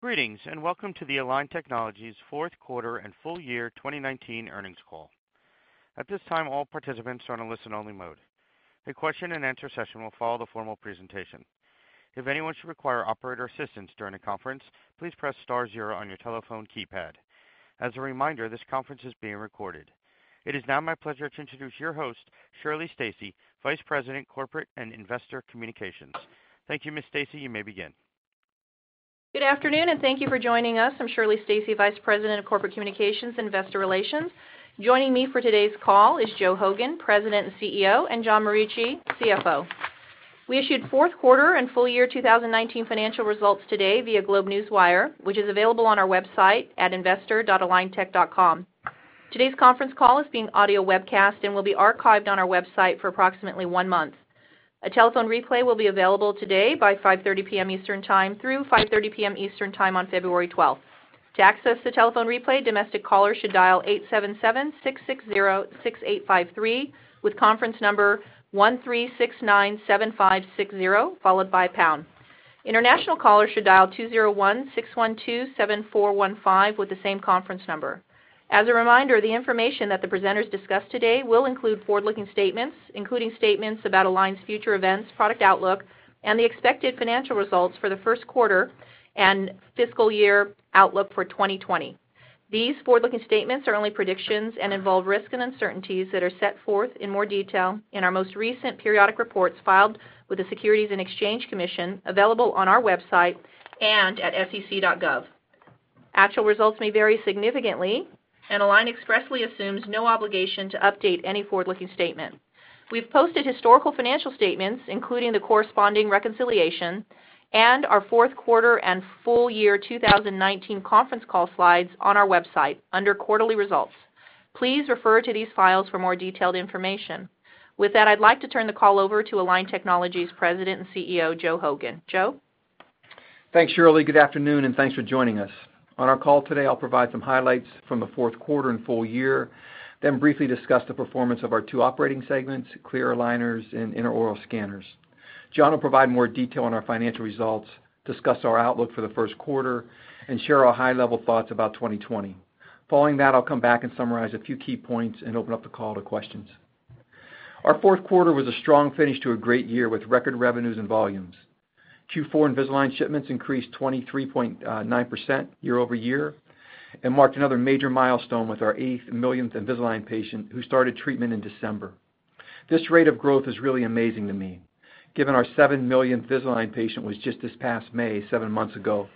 Greetings, welcome to the Align Technology's fourth quarter and full year 2019 earnings call. At this time, all participants are on a listen-only mode. A question-and-answer session will follow the formal presentation. If anyone should require operator assistance during the conference, please press star zero on your telephone keypad. As a reminder, this conference is being recorded. It is now my pleasure to introduce your host, Shirley Stacy, Vice President, Corporate and Investor Communications. Thank you, Ms. Stacy. You may begin. Good afternoon, thank you for joining us. I'm Shirley Stacy, Vice President of Corporate Communications and Investor Relations. Joining me for today's call is Joe Hogan, President and CEO, and John Morici, CFO. We issued fourth quarter and full year 2019 financial results today via GlobeNewswire, which is available on our website at investor.aligntech.com. Today's conference call is being audio webcast and will be archived on our website for approximately one month. A telephone replay will be available today by 5:30 P.M. Eastern Time through 5:30 P.M. Eastern Time on February 12th. To access the telephone replay, domestic callers should dial 877-660-6853 with conference number 13697560, followed by pound. International callers should dial 201-612-7415 with the same conference number. As a reminder, the information that the presenters discuss today will include forward-looking statements, including statements about Align's future events, product outlook, and the expected financial results for the first quarter and fiscal year outlook for 2020. These forward-looking statements are only predictions and involve risks and uncertainties that are set forth in more detail in our most recent periodic reports filed with the Securities and Exchange Commission, available on our website and at sec.gov. Actual results may vary significantly, and Align expressly assumes no obligation to update any forward-looking statement. We've posted historical financial statements, including the corresponding reconciliation and our fourth quarter and full year 2019 conference call slides on our website, under quarterly results. Please refer to these files for more detailed information. With that, I'd like to turn the call over to Align Technology's President and CEO, Joe Hogan. Joe? Thanks, Shirley. Good afternoon, thanks for joining us. On our call today, I'll provide some highlights from the fourth quarter and full year, then briefly discuss the performance of our two operating segments, clear aligners and intraoral scanners. John will provide more detail on our financial results, discuss our outlook for the first quarter, and share our high-level thoughts about 2020. Following that, I'll come back and summarize a few key points and open up the call to questions. Our fourth quarter was a strong finish to a great year with record revenues and volumes. Q4 Invisalign shipments increased 23.9% year-over-year and marked another major milestone with our 8 millionth Invisalign patient who started treatment in December. This rate of growth is really amazing to me, given our 7 millionth Invisalign patient was just this past May, seven months ago.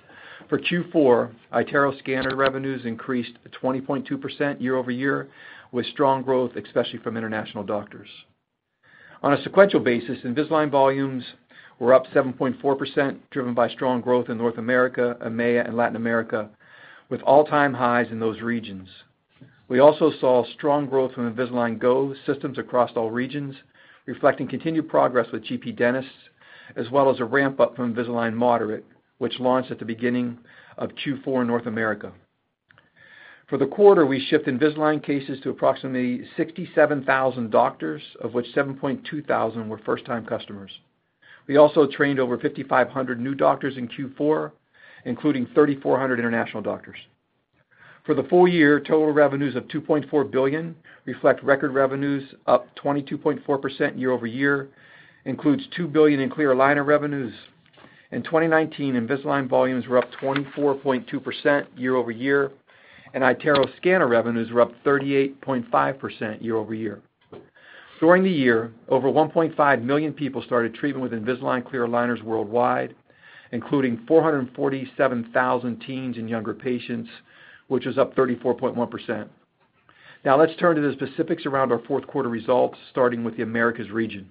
For Q4, iTero scanner revenues increased 20.2% year-over-year, with strong growth, especially from international doctors. On a sequential basis, Invisalign volumes were up 7.4%, driven by strong growth in North America, EMEA, and Latin America, with all-time highs in those regions. We also saw strong growth from Invisalign Go systems across all regions, reflecting continued progress with GP dentists, as well as a ramp-up from Invisalign Moderate, which launched at the beginning of Q4 in North America. For the quarter, we shipped Invisalign cases to approximately 67,000 doctors, of which 7,200 were first-time customers. We also trained over 5,500 new doctors in Q4, including 3,400 international doctors. For the full year, total revenues of $2.4 billion reflect record revenues up 22.4% year-over-year, includes $2 billion in clear aligner revenues. In 2019, Invisalign volumes were up 24.2% year-over-year, and iTero scanner revenues were up 38.5% year-over-year. During the year, over 1.5 million people started treatment with Invisalign clear aligners worldwide, including 447,000 teens and younger patients, which was up 34.1%. Let's turn to the specifics around our fourth quarter results, starting with the Americas region.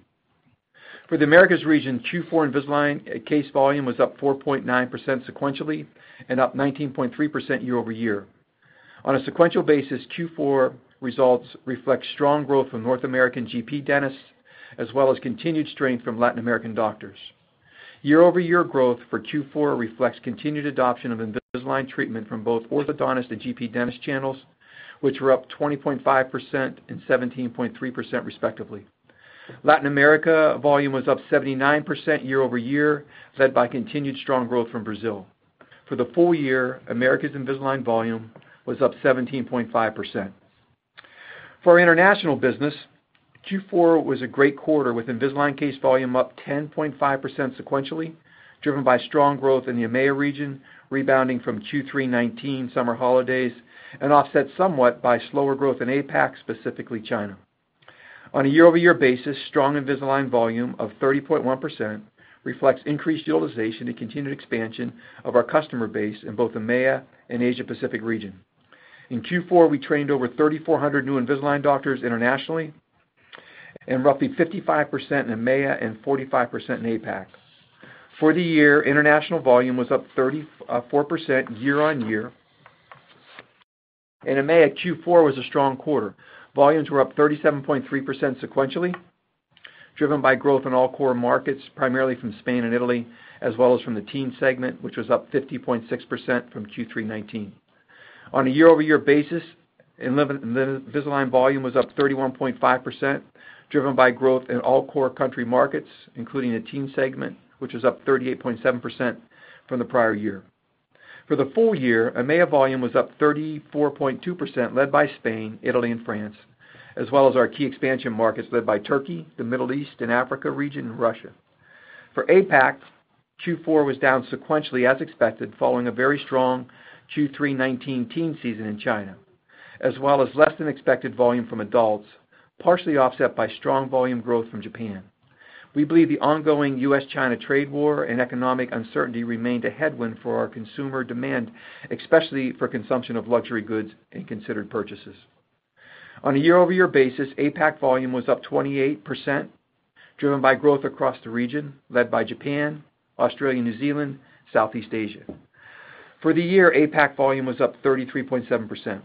For the Americas region, Q4 Invisalign case volume was up 4.9% sequentially and up 19.3% year-over-year. On a sequential basis, Q4 results reflect strong growth from North American GP dentists, as well as continued strength from Latin American doctors. Year-over-year growth for Q4 reflects continued adoption of Invisalign treatment from both orthodontist and GP dentist channels, which were up 20.5% and 17.3% respectively. Latin America volume was up 79% year-over-year, led by continued strong growth from Brazil. For the full year, Americas' Invisalign volume was up 17.5%. For our international business, Q4 was a great quarter with Invisalign case volume up 10.5% sequentially, driven by strong growth in the EMEA region, rebounding from Q3 2019 summer holidays, and offset somewhat by slower growth in APAC, specifically China. On a year-over-year basis, strong Invisalign volume of 30.1% reflects increased utilization and continued expansion of our customer base in both EMEA and Asia Pacific region. In Q4, we trained over 3,400 new Invisalign doctors internationally, and roughly 55% in EMEA and 45% in APAC. For the year, international volume was up 34% year-on-year. In EMEA, Q4 was a strong quarter. Volumes were up 37.3% sequentially, driven by growth in all core markets, primarily from Spain and Italy, as well as from the teen segment, which was up 50.6% from Q3 2019. On a year-over-year basis, Invisalign volume was up 31.5%, driven by growth in all core country markets, including the teen segment, which was up 38.7% from the prior year. For the full year, EMEA volume was up 34.2%, led by Spain, Italy, and France, as well as our key expansion markets led by Turkey, the Middle East, and Africa region, and Russia. For APAC, Q4 was down sequentially as expected, following a very strong Q3 2019 teen season in China, as well as less than expected volume from adults, partially offset by strong volume growth from Japan. We believe the ongoing U.S.-China trade war and economic uncertainty remained a headwind for our consumer demand, especially for consumption of luxury goods and considered purchases. On a year-over-year basis, APAC volume was up 28%, driven by growth across the region, led by Japan, Australia, New Zealand, Southeast Asia. For the year, APAC volume was up 33.7%.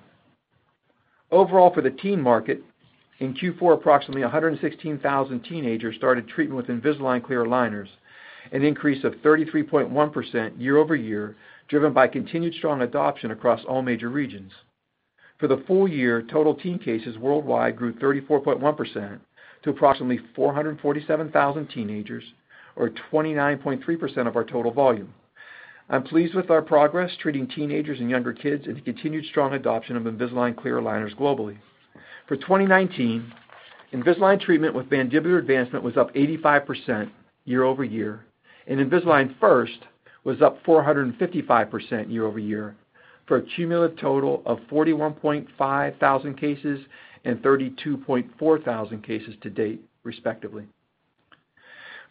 Overall, for the teen market, in Q4, approximately 116,000 teenagers started treatment with Invisalign clear aligners, an increase of 33.1% year-over-year, driven by continued strong adoption across all major regions. For the full year, total teen cases worldwide grew 34.1% to approximately 447,000 teenagers or 29.3% of our total volume. I'm pleased with our progress treating teenagers and younger kids and the continued strong adoption of Invisalign clear aligners globally. For 2019, Invisalign treatment with mandibular advancement was up 85% year-over-year, and Invisalign First was up 455% year-over-year, for a cumulative total of 41,500 cases and 32,400 cases to date, respectively.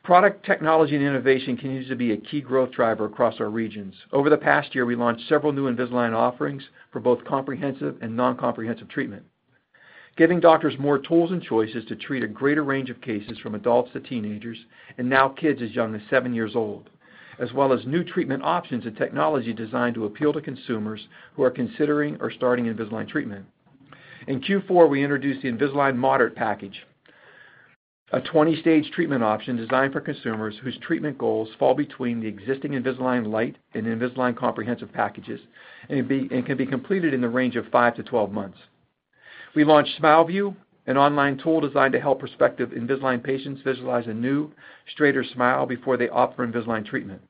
Product technology and innovation continues to be a key growth driver across our regions. Over the past year, we launched several new Invisalign offerings for both comprehensive and non-comprehensive treatment, giving doctors more tools and choices to treat a greater range of cases from adults to teenagers, and now kids as young as seven years old, as well as new treatment options and technology designed to appeal to consumers who are considering or starting Invisalign treatment. In Q4, we introduced the Invisalign Moderate Package, a 20-stage treatment option designed for consumers whose treatment goals fall between the existing Invisalign Lite and Invisalign Comprehensive packages, and can be completed in the range of 5- 12 months. We launched SmileView, an online tool designed to help prospective Invisalign patients visualize a new, straighter smile before they opt for Invisalign treatment.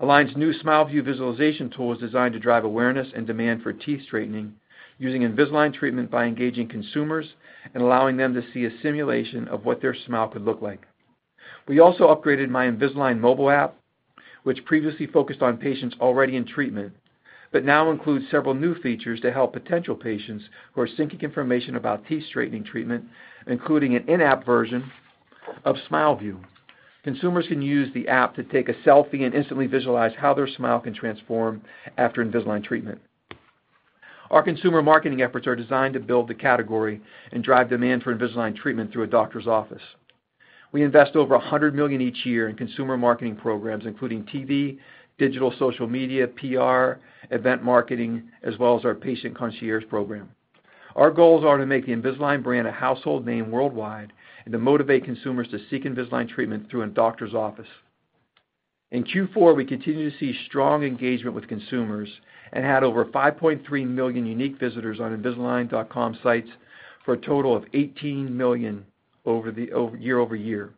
Align's new SmileView visualization tool is designed to drive awareness and demand for teeth straightening using Invisalign treatment by engaging consumers and allowing them to see a simulation of what their smile could look like. We also upgraded My Invisalign mobile app, which previously focused on patients already in treatment, but now includes several new features to help potential patients who are seeking information about teeth straightening treatment, including an in-app version of SmileView. Consumers can use the app to take a selfie and instantly visualize how their smile can transform after Invisalign treatment. Our consumer marketing efforts are designed to build the category and drive demand for Invisalign treatment through a doctor's office. We invest over $100 million each year in consumer marketing programs, including TV, digital, social media, PR, event marketing, as well as our patient concierge program. Our goals are to make the Invisalign brand a household name worldwide and to motivate consumers to seek Invisalign treatment through a doctor's office. In Q4, we continued to see strong engagement with consumers and had over 5.3 million unique visitors on invisalign.com sites for a total of 18 million year-over-year.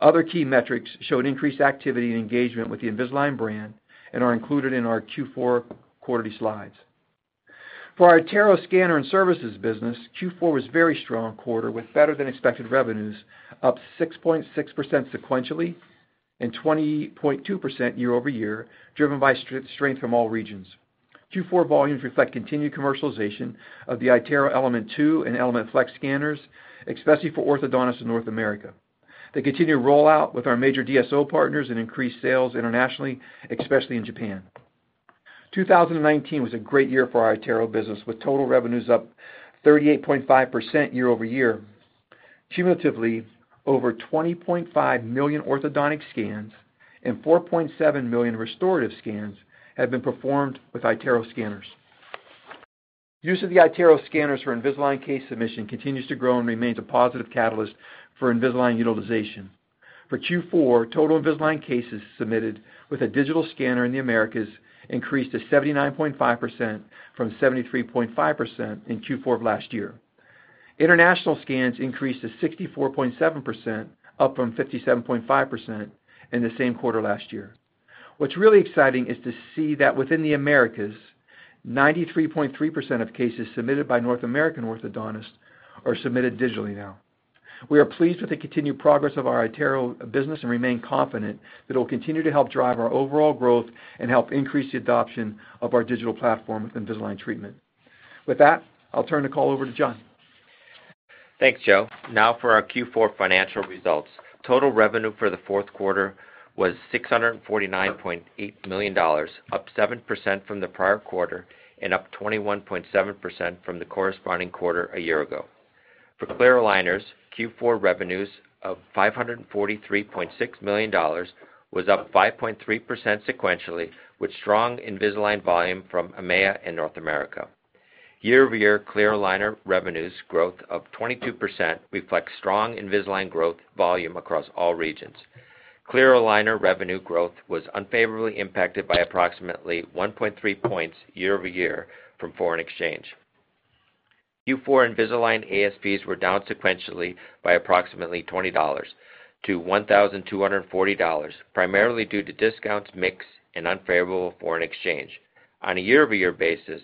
Other key metrics showed increased activity and engagement with the Invisalign brand and are included in our Q4 quarterly slides. For our iTero scanner and services business, Q4 was a very strong quarter with better-than-expected revenues, up 6.6% sequentially and 20.2% year-over-year, driven by strength from all regions. Q4 volumes reflect continued commercialization of the iTero Element 2 and iTero Element Flex scanners, especially for orthodontists in North America. They continue to roll out with our major DSO partners and increase sales internationally, especially in Japan. 2019 was a great year for our iTero business, with total revenues up 38.5% year-over-year. Cumulatively, over 20.5 million orthodontic scans and 4.7 million restorative scans have been performed with iTero scanners. Use of the iTero scanners for Invisalign case submission continues to grow and remains a positive catalyst for Invisalign utilization. For Q4, total Invisalign cases submitted with a digital scanner in the Americas increased to 79.5% from 73.5% in Q4 of last year. International scans increased to 64.7%, up from 57.5% in the same quarter last year. What's really exciting is to see that within the Americas, 93.3% of cases submitted by North American orthodontists are submitted digitally now. We are pleased with the continued progress of our iTero business and remain confident that it will continue to help drive our overall growth and help increase the adoption of our digital platform with Invisalign treatment. With that, I'll turn the call over to John. Thanks, Joe. Now for our Q4 financial results. Total revenue for the fourth quarter was $649.8 million, up 7% from the prior quarter and up 21.7% from the corresponding quarter a year ago. For clear aligners, Q4 revenues of $543.6 million was up 5.3% sequentially, with strong Invisalign volume from EMEA and North America. Year-over-year clear aligner revenues growth of 22% reflects strong Invisalign growth volume across all regions. Clear aligner revenue growth was unfavorably impacted by approximately 1.3 points year-over-year from foreign exchange. Q4 Invisalign ASPs were down sequentially by approximately $20-$1,240, primarily due to discounts, mix, and unfavorable foreign exchange. On a year-over-year basis,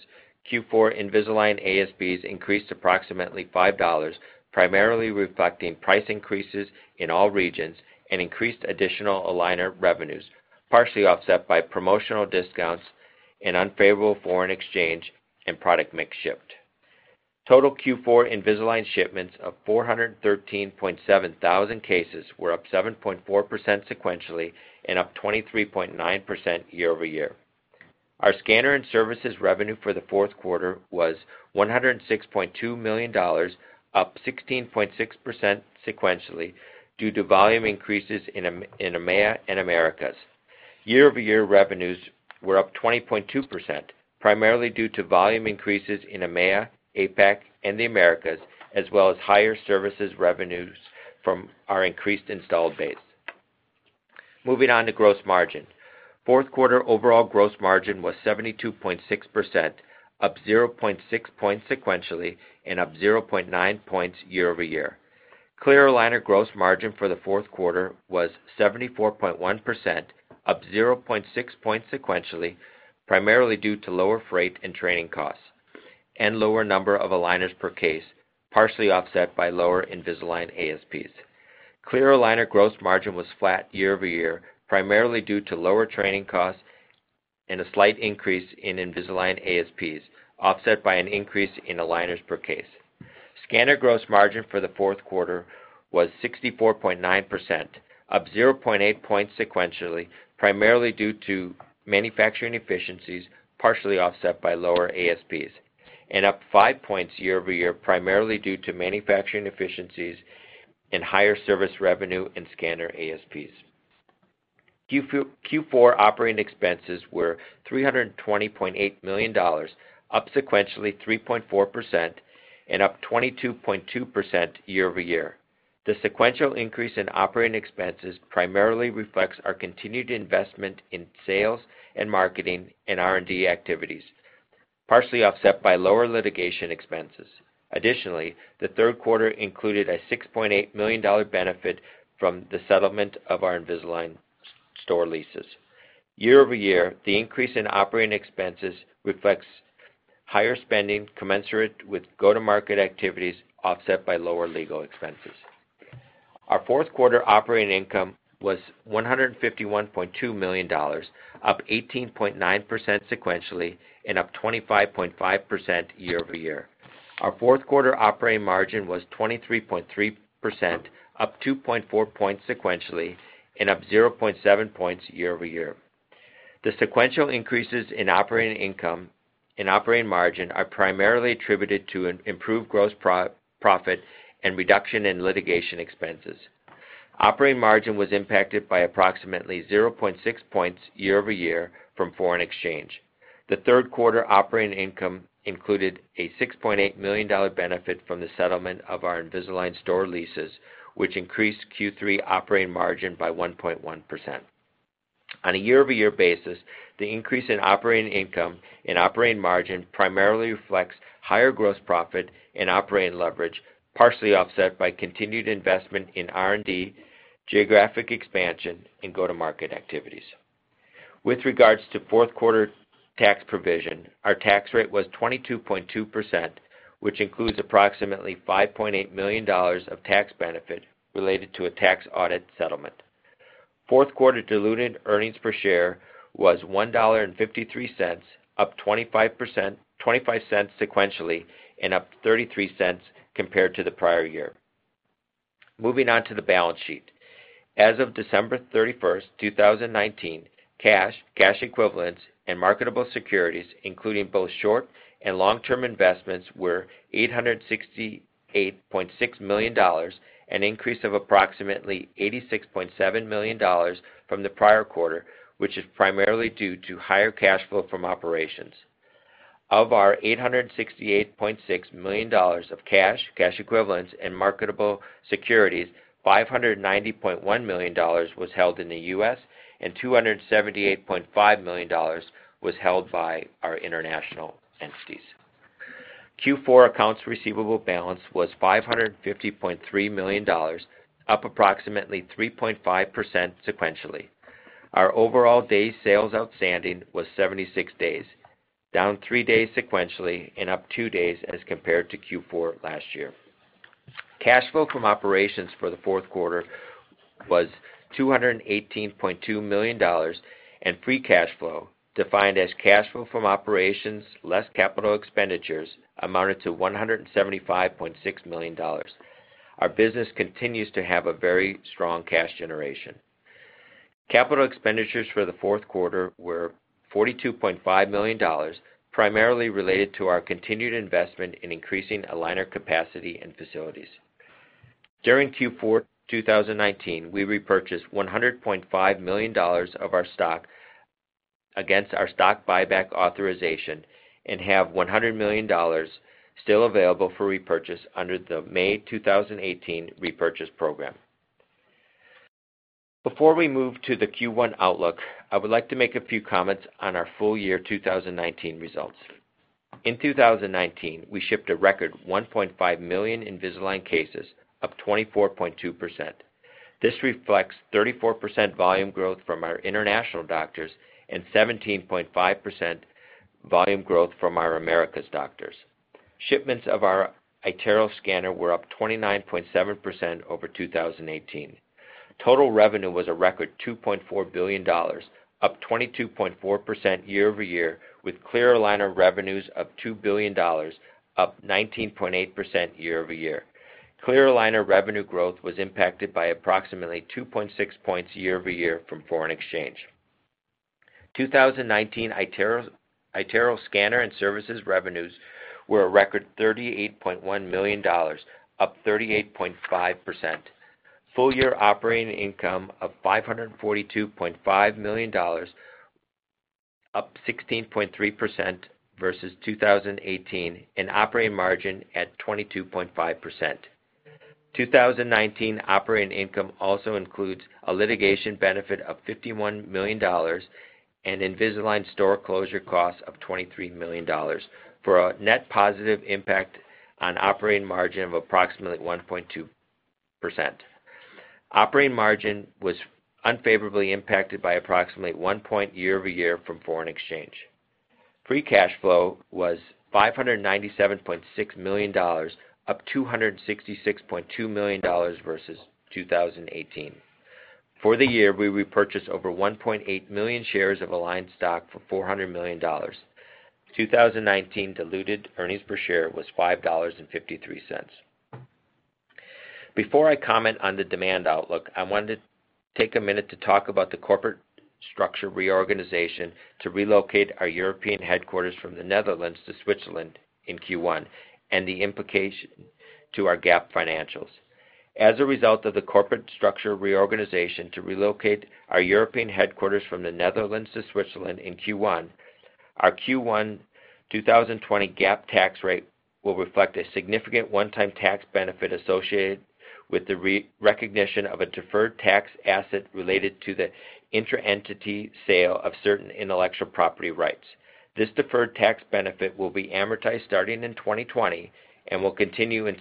Q4 Invisalign ASPs increased approximately $5, primarily reflecting price increases in all regions and increased additional aligner revenues, partially offset by promotional discounts and unfavorable foreign exchange and product mix shift. Total Q4 Invisalign shipments of 413,700 cases were up 7.4% sequentially and up 23.9% year-over-year. Our scanner and services revenue for the fourth quarter was $106.2 million, up 16.6% sequentially due to volume increases in EMEA and Americas. Year-over-year revenues were up 20.2%, primarily due to volume increases in EMEA, APAC, and the Americas, as well as higher services revenues from our increased installed base. Moving on to gross margin. Fourth quarter overall gross margin was 72.6%, up 0.6 points sequentially and up 0.9 points year-over-year. Clear aligner gross margin for the fourth quarter was 74.1%, up 0.6 points sequentially, primarily due to lower freight and training costs and lower number of aligners per case, partially offset by lower Invisalign ASPs. Clear aligner gross margin was flat year-over-year, primarily due to lower training costs and a slight increase in Invisalign ASPs, offset by an increase in aligners per case. Scanner gross margin for the fourth quarter was 64.9%, up 0.8 points sequentially, primarily due to manufacturing efficiencies, partially offset by lower ASPs, and up five points year-over-year, primarily due to manufacturing efficiencies and higher service revenue and scanner ASPs. Q4 operating expenses were $320.8 million, up sequentially 3.4% and up 22.2% year-over-year. The sequential increase in operating expenses primarily reflects our continued investment in sales and marketing and R&D activities, partially offset by lower litigation expenses. Additionally, the third quarter included a $6.8 million benefit from the settlement of our Invisalign store leases. Year-over-year, the increase in operating expenses reflects higher spending commensurate with go-to-market activities, offset by lower legal expenses. Our fourth quarter operating income was $151.2 million, up 18.9% sequentially and up 25.5% year-over-year. Our fourth quarter operating margin was 23.3%, up 2.4 points sequentially and up 0.7 points year-over-year. The sequential increases in operating income and operating margin are primarily attributed to improved gross profit and reduction in litigation expenses. Operating margin was impacted by approximately 0.6 points year-over-year from foreign exchange. The third quarter operating income included a $6.8 million benefit from the settlement of our Invisalign store leases, which increased Q3 operating margin by 1.1%. On a year-over-year basis, the increase in operating income and operating margin primarily reflects higher gross profit and operating leverage, partially offset by continued investment in R&D, geographic expansion, and go-to-market activities. With regards to fourth quarter tax provision, our tax rate was 22.2%, which includes approximately $5.8 million of tax benefit related to a tax audit settlement. Fourth quarter diluted earnings per share was $1.53, up $0.25 sequentially and up $0.33 compared to the prior year. Moving on to the balance sheet. As of December 31st, 2019, cash equivalents, and marketable securities, including both short- and long-term investments, were $868.6 million, an increase of approximately $86.7 million from the prior quarter, which is primarily due to higher cash flow from operations. Of our $868.6 million of cash equivalents, and marketable securities, $590.1 million was held in the U.S. and $278.5 million was held by our international entities. Q4 accounts receivable balance was $550.3 million, up approximately 3.5% sequentially. Our overall day sales outstanding was 76 days, down three days sequentially and up two days as compared to Q4 last year. Cash flow from operations for the fourth quarter was $218.2 million, and free cash flow, defined as cash flow from operations less capital expenditures, amounted to $175.6 million. Our business continues to have a very strong cash generation. Capital expenditures for the fourth quarter were $42.5 million, primarily related to our continued investment in increasing aligner capacity and facilities. During Q4 2019, we repurchased $100.5 million of our stock against our stock buyback authorization and have $100 million still available for repurchase under the May 2018 repurchase program. Before we move to the Q1 outlook, I would like to make a few comments on our full year 2019 results. In 2019, we shipped a record 1.5 million Invisalign cases, up 24.2%. This reflects 34% volume growth from our international doctors and 17.5% volume growth from our Americas doctors. Shipments of our iTero scanner were up 29.7% over 2018. Total revenue was a record $2.4 billion, up 22.4% year-over-year, with clear aligner revenues of $2 billion, up 19.8% year-over-year. Clear aligner revenue growth was impacted by approximately 2.6 points year-over-year from foreign exchange. 2019 iTero scanner and services revenues were a record $38.1 million, up 38.5%. Full year operating income of $542.5 million, up 16.3% versus 2018, and operating margin at 22.5%. 2019 operating income also includes a litigation benefit of $51 million and Invisalign store closure costs of $23 million, for a net positive impact on operating margin of approximately 1.2%. Operating margin was unfavorably impacted by approximately 1 point year-over-year from foreign exchange. Free cash flow was $597.6 million, up $266.2 million versus 2018. For the year, we repurchased over 1.8 million shares of Align stock for $400 million. 2019 diluted earnings per share was $5.53. Before I comment on the demand outlook, I wanted to take a minute to talk about the corporate structure reorganization to relocate our European headquarters from the Netherlands to Switzerland in Q1, and the implication to our GAAP financials. As a result of the corporate structure reorganization to relocate our European headquarters from the Netherlands to Switzerland in Q1, our Q1 2020 GAAP tax rate will reflect a significant one-time tax benefit associated with the recognition of a deferred tax asset related to the intra-entity sale of certain intellectual property rights. This deferred tax benefit will be amortized starting in 2020 and will continue in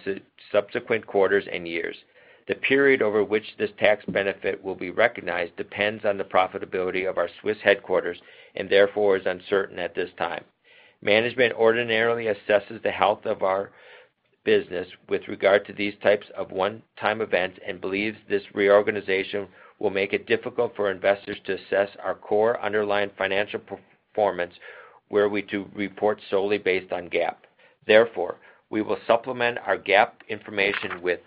subsequent quarters and years. The period over which this tax benefit will be recognized depends on the profitability of our Swiss headquarters and therefore is uncertain at this time. Management ordinarily assesses the health of our business with regard to these types of one-time events and believes this reorganization will make it difficult for investors to assess our core underlying financial performance, were we to report solely based on GAAP. We will supplement our GAAP information with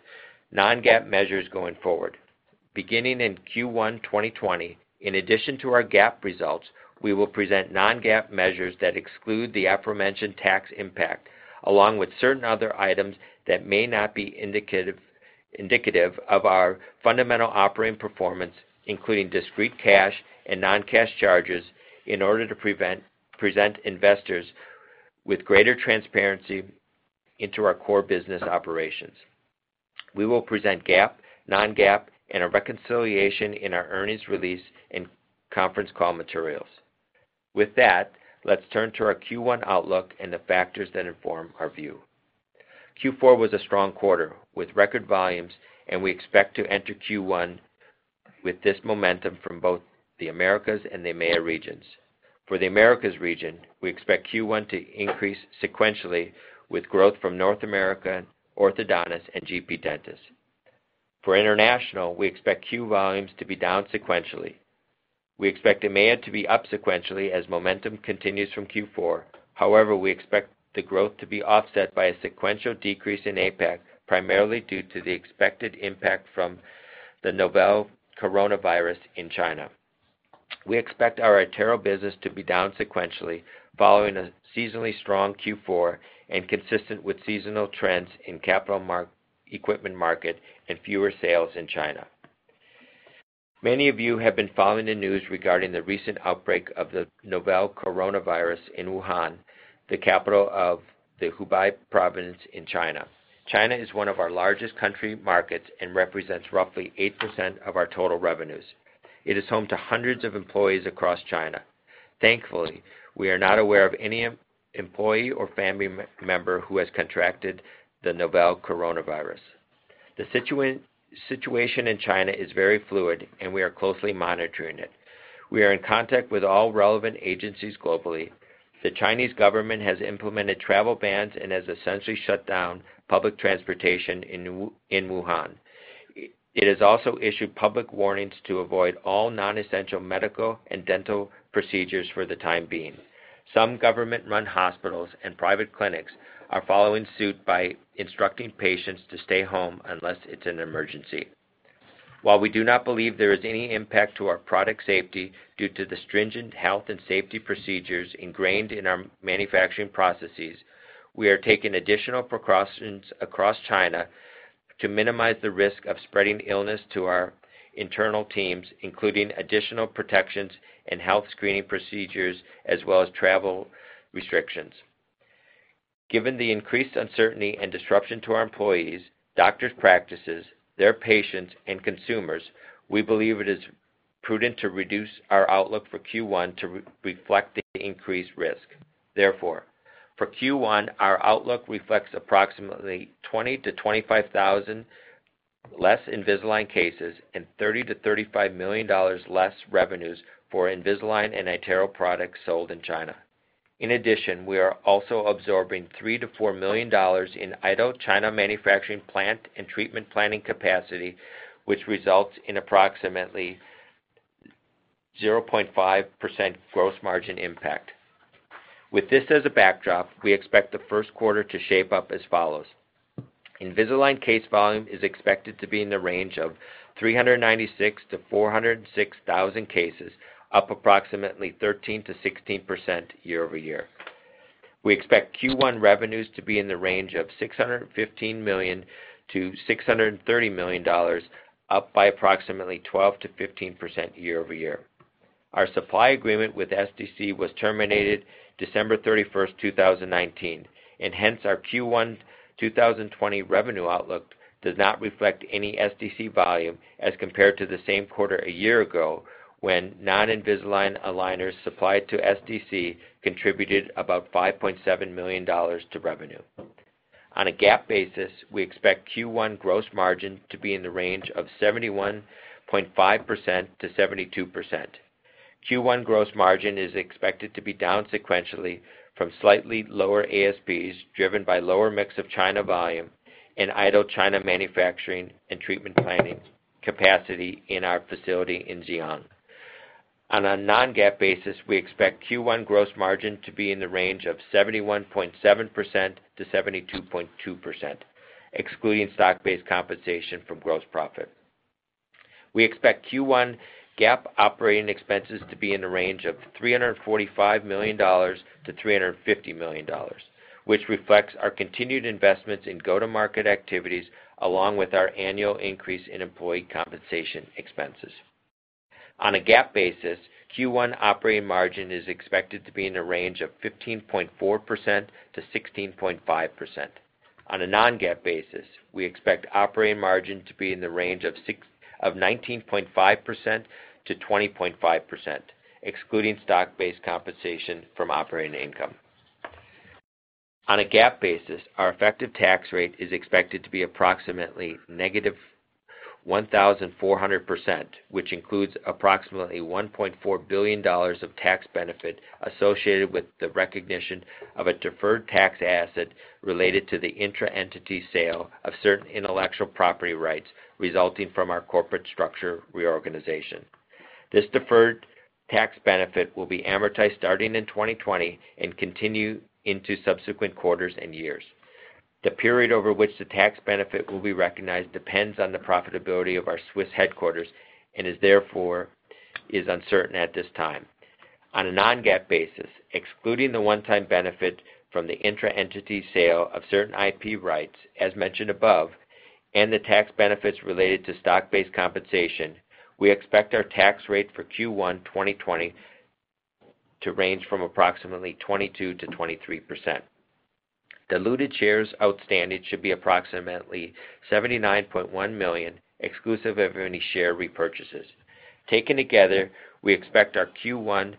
non-GAAP measures going forward. Beginning in Q1 2020, in addition to our GAAP results, we will present non-GAAP measures that exclude the aforementioned tax impact, along with certain other items that may not be indicative of our fundamental operating performance, including discrete cash and non-cash charges, in order to present investors with greater transparency into our core business operations. We will present GAAP, non-GAAP, and a reconciliation in our earnings release and conference call materials. With that, let's turn to our Q1 outlook and the factors that inform our view. Q4 was a strong quarter with record volumes. We expect to enter Q1 with this momentum from both the Americas and the EMEA regions. For the Americas region, we expect Q1 to increase sequentially with growth from North America orthodontists and GP dentists. For international, we expect Q volumes to be down sequentially. We expect EMEA to be up sequentially as momentum continues from Q4. However, we expect the growth to be offset by a sequential decrease in APAC, primarily due to the expected impact from the novel coronavirus in China. We expect our iTero business to be down sequentially, following a seasonally strong Q4 and consistent with seasonal trends in capital equipment market and fewer sales in China. Many of you have been following the news regarding the recent outbreak of the novel coronavirus in Wuhan, the capital of the Hubei province in China. China is one of our largest country markets and represents roughly 8% of our total revenues. It is home to hundreds of employees across China. Thankfully, we are not aware of any employee or family member who has contracted the novel coronavirus. The situation in China is very fluid, and we are closely monitoring it. We are in contact with all relevant agencies globally. The Chinese government has implemented travel bans and has essentially shut down public transportation in Wuhan. It has also issued public warnings to avoid all non-essential medical and dental procedures for the time being. Some government-run hospitals and private clinics are following suit by instructing patients to stay home unless it's an emergency. While we do not believe there is any impact to our product safety due to the stringent health and safety procedures ingrained in our manufacturing processes, we are taking additional precautions across China to minimize the risk of spreading illness to our internal teams, including additional protections and health screening procedures, as well as travel restrictions. Given the increased uncertainty and disruption to our employees, doctors' practices, their patients and consumers, we believe it is prudent to reduce our outlook for Q1 to reflect the increased risk. Therefore, for Q1, our outlook reflects approximately 20,000-25,000 less Invisalign cases and $30 million-$35 million less revenues for Invisalign and iTero products sold in China. In addition, we are also absorbing $3 million-$4 million in idle China manufacturing plant and treatment planning capacity, which results in approximately 0.5% gross margin impact. With this as a backdrop, we expect the first quarter to shape up as follows. Invisalign case volume is expected to be in the range of 396,000-406,000 cases, up approximately 13%-16% year-over-year. We expect Q1 revenues to be in the range of $615 million-$630 million, up by approximately 12%-15% year-over-year. Our supply agreement with SDC was terminated December 31st, 2019, and hence our Q1 2020 revenue outlook does not reflect any SDC volume as compared to the same quarter a year ago, when non-Invisalign aligners supplied to SDC contributed about $5.7 million to revenue. On a GAAP basis, we expect Q1 gross margin to be in the range of 71.5%-72%. Q1 gross margin is expected to be down sequentially from slightly lower ASPs, driven by lower mix of China volume and idle China manufacturing and treatment planning capacity in our facility in Ziyang. On a non-GAAP basis, we expect Q1 gross margin to be in the range of 71.7%-72.2%, excluding stock-based compensation from gross profit. We expect Q1 GAAP operating expenses to be in the range of $345 million-$350 million, which reflects our continued investments in go-to-market activities, along with our annual increase in employee compensation expenses. On a GAAP basis, Q1 operating margin is expected to be in the range of 15.4%-16.5%. On a non-GAAP basis, we expect operating margin to be in the range of 19.5%-20.5%, excluding stock-based compensation from operating income. On a GAAP basis, our effective tax rate is expected to be approximately -1,400%, which includes approximately $1.4 billion of tax benefit associated with the recognition of a deferred tax asset related to the intra-entity sale of certain intellectual property rights resulting from our corporate structure reorganization. This deferred tax benefit will be amortized starting in 2020 and continue into subsequent quarters and years. The period over which the tax benefit will be recognized depends on the profitability of our Swiss headquarters and is therefore uncertain at this time. On a non-GAAP basis, excluding the one-time benefit from the intra-entity sale of certain IP rights as mentioned above, and the tax benefits related to stock-based compensation, we expect our tax rate for Q1 2020 to range from approximately 22%-23%. Diluted shares outstanding should be approximately 79.1 million, exclusive of any share repurchases. Taken together, we expect our Q1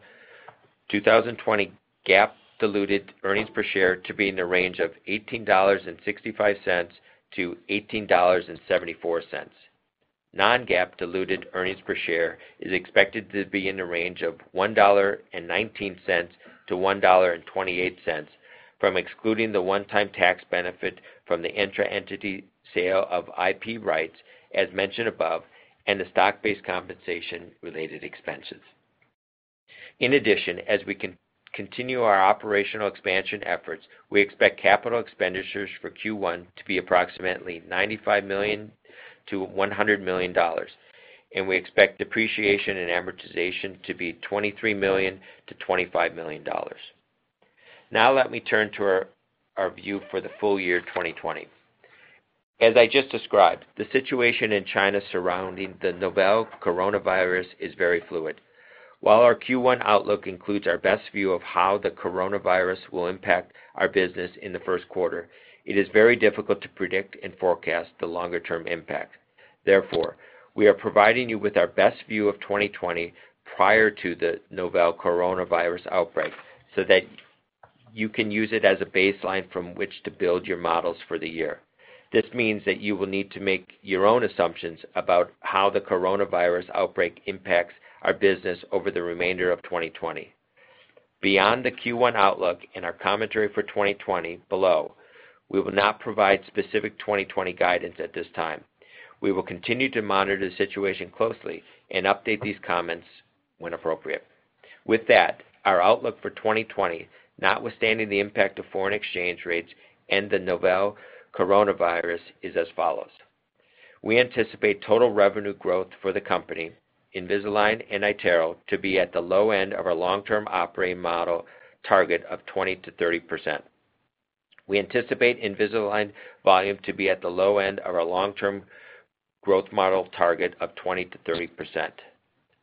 2020 GAAP diluted earnings per share to be in the range of $18.65-$18.74. Non-GAAP diluted earnings per share is expected to be in the range of $1.19-$1.28 from excluding the one-time tax benefit from the intra-entity sale of IP rights as mentioned above, and the stock-based compensation related expenses. In addition, as we continue our operational expansion efforts, we expect capital expenditures for Q1 to be approximately $95 million-$100 million, and we expect depreciation and amortization to be $23 million-$25 million. Let me turn to our view for the full year 2020. As I just described, the situation in China surrounding the novel coronavirus is very fluid. While our Q1 outlook includes our best view of how the coronavirus will impact our business in the first quarter, it is very difficult to predict and forecast the longer-term impact. We are providing you with our best view of 2020 prior to the novel coronavirus outbreak so that you can use it as a baseline from which to build your models for the year. This means that you will need to make your own assumptions about how the coronavirus outbreak impacts our business over the remainder of 2020. Beyond the Q1 outlook and our commentary for 2020 below, we will not provide specific 2020 guidance at this time. We will continue to monitor the situation closely and update these comments when appropriate. With that, our outlook for 2020, notwithstanding the impact of foreign exchange rates and the novel coronavirus, is as follows. We anticipate total revenue growth for the company, Invisalign and iTero, to be at the low end of our long-term operating model target of 20%-30%. We anticipate Invisalign volume to be at the low end of our long-term growth model target of 20%-30%.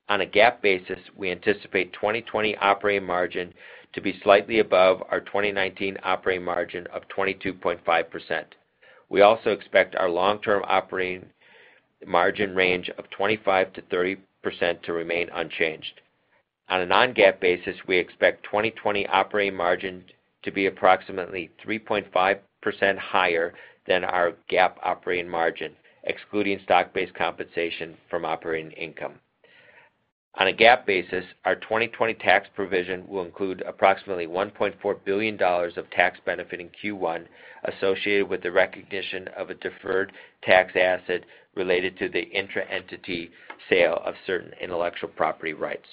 On a GAAP basis, we anticipate 2020 operating margin to be slightly above our 2019 operating margin of 22.5%. We also expect our long-term operating margin range of 25%-30% to remain unchanged. On a non-GAAP basis, we expect 2020 operating margin to be approximately 3.5% higher than our GAAP operating margin, excluding stock-based compensation from operating income. On a GAAP basis, our 2020 tax provision will include approximately $1.4 billion of tax benefit in Q1 associated with the recognition of a deferred tax asset related to the intra-entity sale of certain intellectual property rights.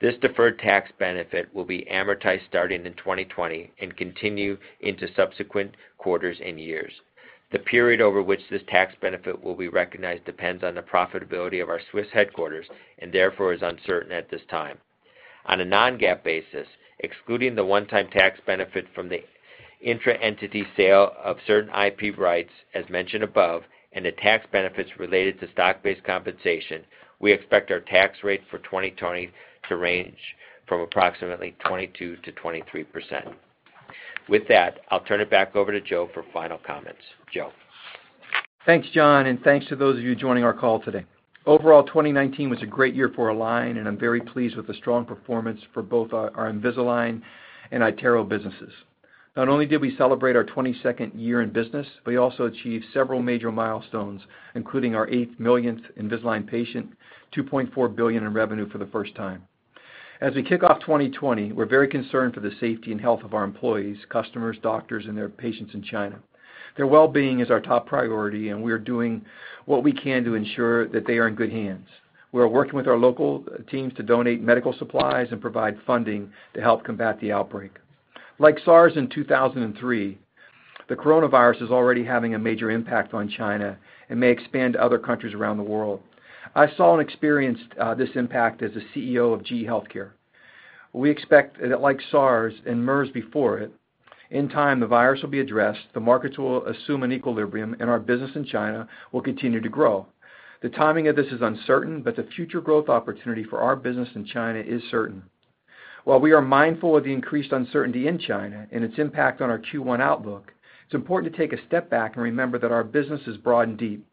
This deferred tax benefit will be amortized starting in 2020, and continue into subsequent quarters and years. The period over which this tax benefit will be recognized depends on the profitability of our Swiss headquarters, and therefore, is uncertain at this time. On a non-GAAP basis, excluding the one-time tax benefit from the intra-entity sale of certain IP rights, as mentioned above, and the tax benefits related to stock-based compensation, we expect our tax rate for 2020 to range from approximately 22%-23%. With that, I'll turn it back over to Joe for final comments. Joe. Thanks, John, and thanks to those of you joining our call today. Overall, 2019 was a great year for Align, and I'm very pleased with the strong performance for both our Invisalign and iTero businesses. Not only did we celebrate our 22nd year in business, but we also achieved several major milestones, including our 8 millionth Invisalign patient, $2.4 billion in revenue for the first time. As we kick off 2020, we're very concerned for the safety and health of our employees, customers, doctors, and their patients in China. Their well-being is our top priority, and we are doing what we can to ensure that they are in good hands. We are working with our local teams to donate medical supplies and provide funding to help combat the outbreak. Like SARS in 2003, the coronavirus is already having a major impact on China and may expand to other countries around the world. I saw and experienced this impact as the CEO of GE HealthCare. We expect that like SARS and MERS before it, in time, the virus will be addressed, the markets will assume an equilibrium, and our business in China will continue to grow. The timing of this is uncertain, but the future growth opportunity for our business in China is certain. While we are mindful of the increased uncertainty in China and its impact on our Q1 outlook, it's important to take a step back and remember that our business is broad and deep.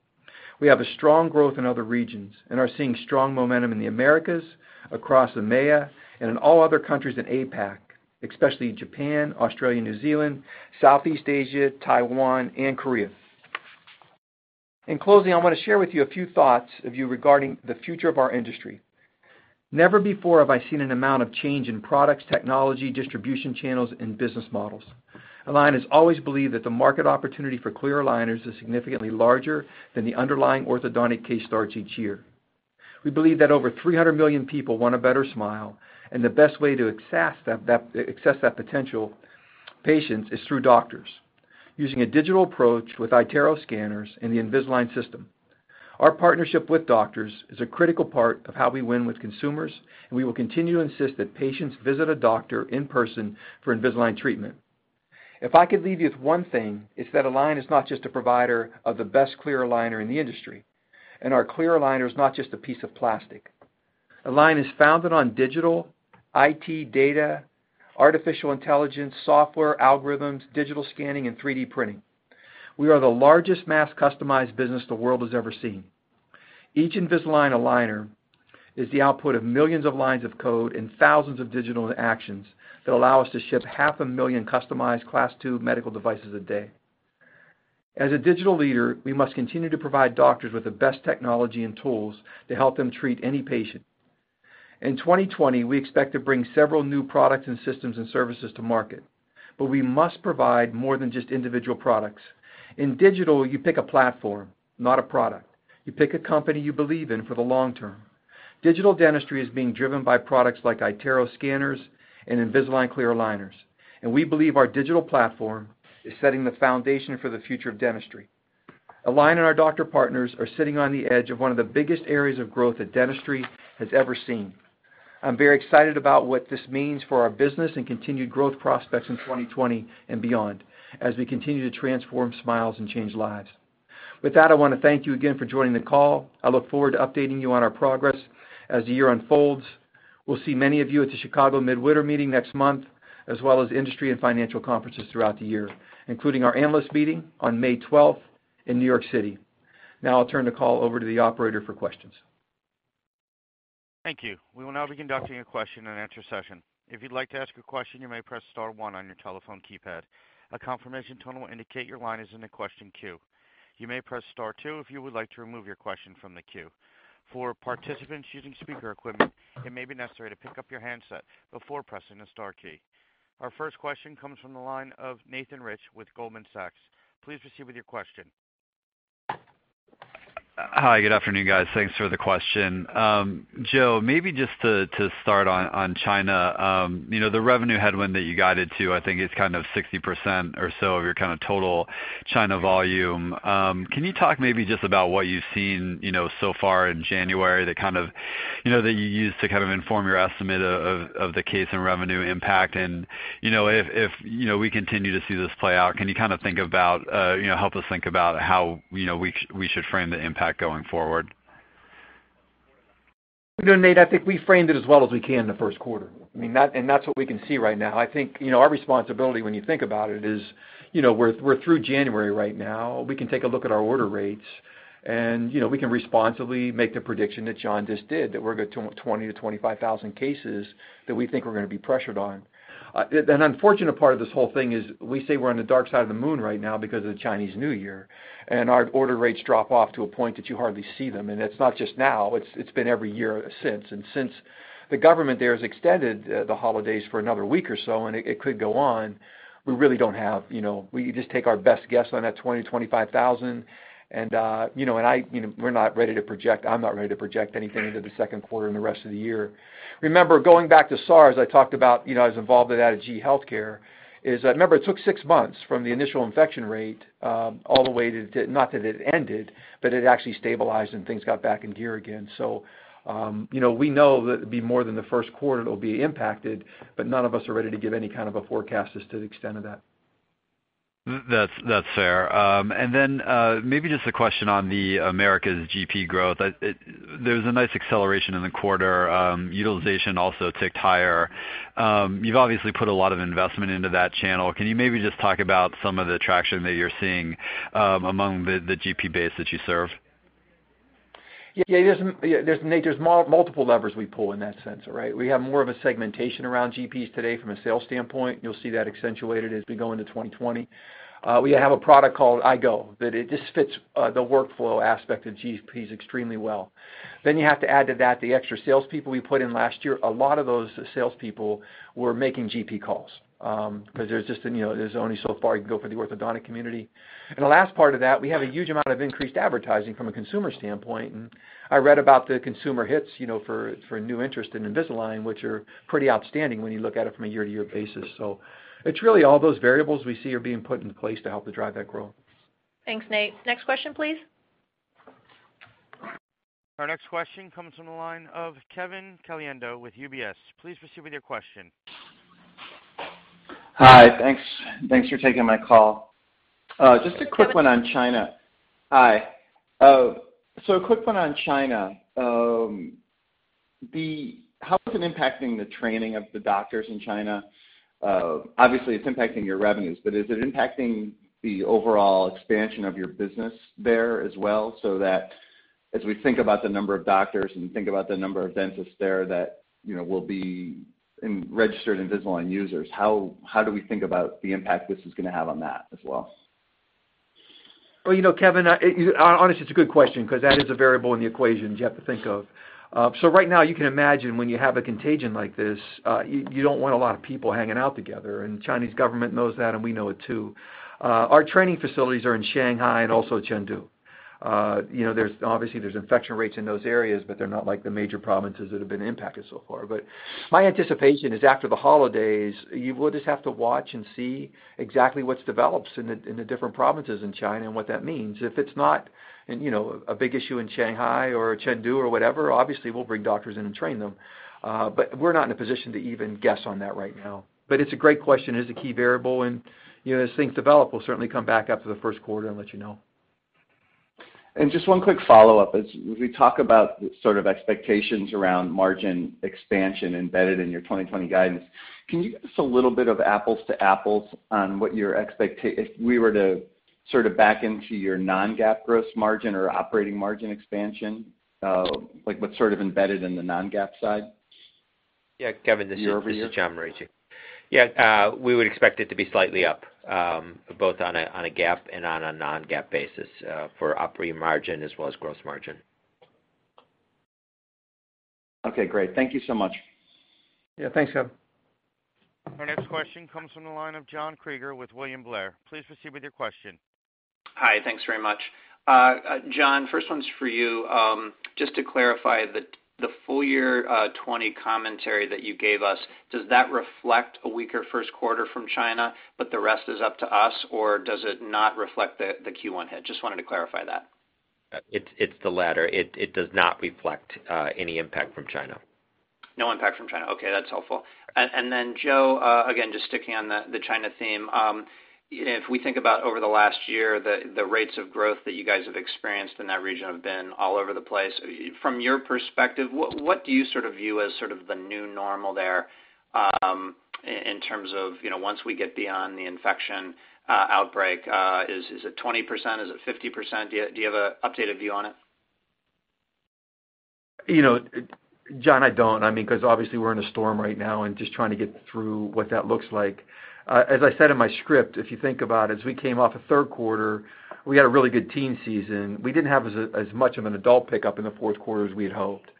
We have a strong growth in other regions and are seeing strong momentum in the Americas, across EMEA, and in all other countries in APAC, especially Japan, Australia, New Zealand, Southeast Asia, Taiwan, and Korea. In closing, I want to share with you a few thoughts regarding the future of our industry. Never before have I seen an amount of change in products, technology, distribution channels, and business models. Align has always believed that the market opportunity for clear aligners is significantly larger than the underlying orthodontic case starts each year. We believe that over 300 million people want a better smile, and the best way to access that potential patients is through doctors, using a digital approach with iTero scanners and the Invisalign system. Our partnership with doctors is a critical part of how we win with consumers, and we will continue to insist that patients visit a doctor in person for Invisalign treatment. If I could leave you with one thing, it's that Align is not just a provider of the best clear aligner in the industry, and our clear aligner is not just a piece of plastic. Align is founded on digital, IT data, artificial intelligence, software, algorithms, digital scanning, and 3D printing. We are the largest mass customized business the world has ever seen. Each Invisalign aligner is the output of millions of lines of code and thousands of digital actions that allow us to ship 500,000 customized Class II medical devices a day. As a digital leader, we must continue to provide doctors with the best technology and tools to help them treat any patient. In 2020, we expect to bring several new products and systems and services to market. We must provide more than just individual products. In digital, you pick a platform, not a product. You pick a company you believe in for the long-term. Digital dentistry is being driven by products like iTero scanners and Invisalign clear aligners, and we believe our digital platform is setting the foundation for the future of dentistry. Align and our doctor partners are sitting on the edge of one of the biggest areas of growth that dentistry has ever seen. I'm very excited about what this means for our business and continued growth prospects in 2020 and beyond as we continue to transform smiles and change lives. With that, I want to thank you again for joining the call. I look forward to updating you on our progress as the year unfolds. We'll see many of you at the Chicago Midwinter Meeting next month, as well as industry and financial conferences throughout the year, including our analyst meeting on May 12th in New York City. Now I'll turn the call over to the operator for questions. Thank you. We will now be conducting a question-and-answer session. If you would like to ask a question, you may press star one on your telephone keypad. A confirmation tone will indicate your line is in the question queue. You may press star two if you would like to remove your question from the queue. For participants using speaker equipment, it may be necessary to pick up your handset before pressing the star key. Our first question comes from the line of Nathan Rich with Goldman Sachs. Please proceed with your question. Hi, good afternoon, guys. Thanks for the question. Joe, maybe just to start on China, the revenue headwind that you guided to, I think is kind of 60% or so of your total China volume. Can you talk maybe just about what you've seen so far in January that you used to inform your estimate of the case and revenue impact? If we continue to see this play out, can you help us think about how we should frame the impact going forward? Nate, I think we framed it as well as we can in the first quarter. That's what we can see right now. I think, our responsibility when you think about it is, we're through January right now. We can take a look at our order rates and we can responsibly make the prediction that John just did, that we're good 20,000 to 25,000 cases that we think we're going to be pressured on. The unfortunate part of this whole thing is we say we're on the dark side of the moon right now because of the Chinese New Year, and our order rates drop off to a point that you hardly see them. It's not just now, it's been every year since. Since the government there has extended the holidays for another week or so, and it could go on, we just take our best guess on that 20,000, 25,000. I'm not ready to project anything into the second quarter and the rest of the year. Remember, going back to SARS, I talked about, I was involved with that at GE HealthCare, it took six months from the initial infection rate, all the way to, not that it ended, but it actually stabilized and things got back in gear again. We know that it'll be more than the first quarter that'll be impacted, but none of us are ready to give any kind of a forecast as to the extent of that. That's fair. Maybe just a question on the Americas GP growth. There's a nice acceleration in the quarter, utilization also ticked higher. You've obviously put a lot of investment into that channel. Can you maybe just talk about some of the traction that you're seeing among the GP base that you serve? Yeah, Nate, there's multiple levers we pull in that sense. We have more of a segmentation around GPs today from a sales standpoint. You'll see that accentuated as we go into 2020. We have a product called Invisalign Go, that it just fits the workflow aspect of GPs extremely well. You have to add to that the extra salespeople we put in last year. A lot of those salespeople were making GP calls. There's only so far you can go for the orthodontic community. The last part of that, we have a huge amount of increased advertising from a consumer standpoint, and I read about the consumer hits for new interest in Invisalign, which are pretty outstanding when you look at it from a year-to-year basis. It's really all those variables we see are being put into place to help to drive that growth. Thanks, Nate. Next question, please. Our next question comes from the line of Kevin Caliendo with UBS. Please proceed with your question. Hi. Thanks for taking my call. Just a quick one on China. Can you. Hi. A quick one on China. How is it impacting the training of the doctors in China? Obviously, it's impacting your revenues, but is it impacting the overall expansion of your business there as well, so that as we think about the number of doctors and think about the number of dentists there that will be registered Invisalign users, how do we think about the impact this is going to have on that as well? Kevin, honestly, it's a good question because that is a variable in the equations you have to think of. Right now, you can imagine when you have a contagion like this, you don't want a lot of people hanging out together, and the Chinese government knows that, and we know it too. Our training facilities are in Shanghai and also Chengdu. Obviously, there's infection rates in those areas, but they're not like the major provinces that have been impacted so far. My anticipation is after the holidays, we'll just have to watch and see exactly what's developed in the different provinces in China and what that means. If it's not a big issue in Shanghai or Chengdu or whatever, obviously, we'll bring doctors in and train them. We're not in a position to even guess on that right now. It's a great question. It is a key variable, and as things develop, we'll certainly come back after the first quarter and let you know. Just one quick follow-up. As we talk about sort of expectations around margin expansion embedded in your 2020 guidance, can you give us a little bit of apples to apples on what your If we were to sort of back into your non-GAAP gross margin or operating margin expansion, like what's sort of embedded in the non-GAAP side? Yeah, Kevin. Year-over-year. Yeah. We would expect it to be slightly up, both on a GAAP and on a non-GAAP basis for operating margin as well as gross margin. Okay, great. Thank you so much. Yeah. Thanks, Kevin. Our next question comes from the line of John Kreger with William Blair. Please proceed with your question. Hi. Thanks very much. John, first one's for you. Just to clarify, the full year 2020 commentary that you gave us, does that reflect a weaker first quarter from China, but the rest is up to us, or does it not reflect the Q1 hit? Just wanted to clarify that. It's the latter. It does not reflect any impact from China. No impact from China. Okay, that's helpful. Then Joe, again, just sticking on the China theme. If we think about over the last year, the rates of growth that you guys have experienced in that region have been all over the place. From your perspective, what do you sort of view as sort of the new normal there, in terms of once we get beyond the infection outbreak, is it 20%? Is it 50%? Do you have an updated view on it? John, I don't because obviously we're in a storm right now and just trying to get through what that looks like. As I said in my script, if you think about it, as we came off the third quarter, we had a really good teen season. We didn't have as much of an adult pickup in the fourth quarter as we had hoped.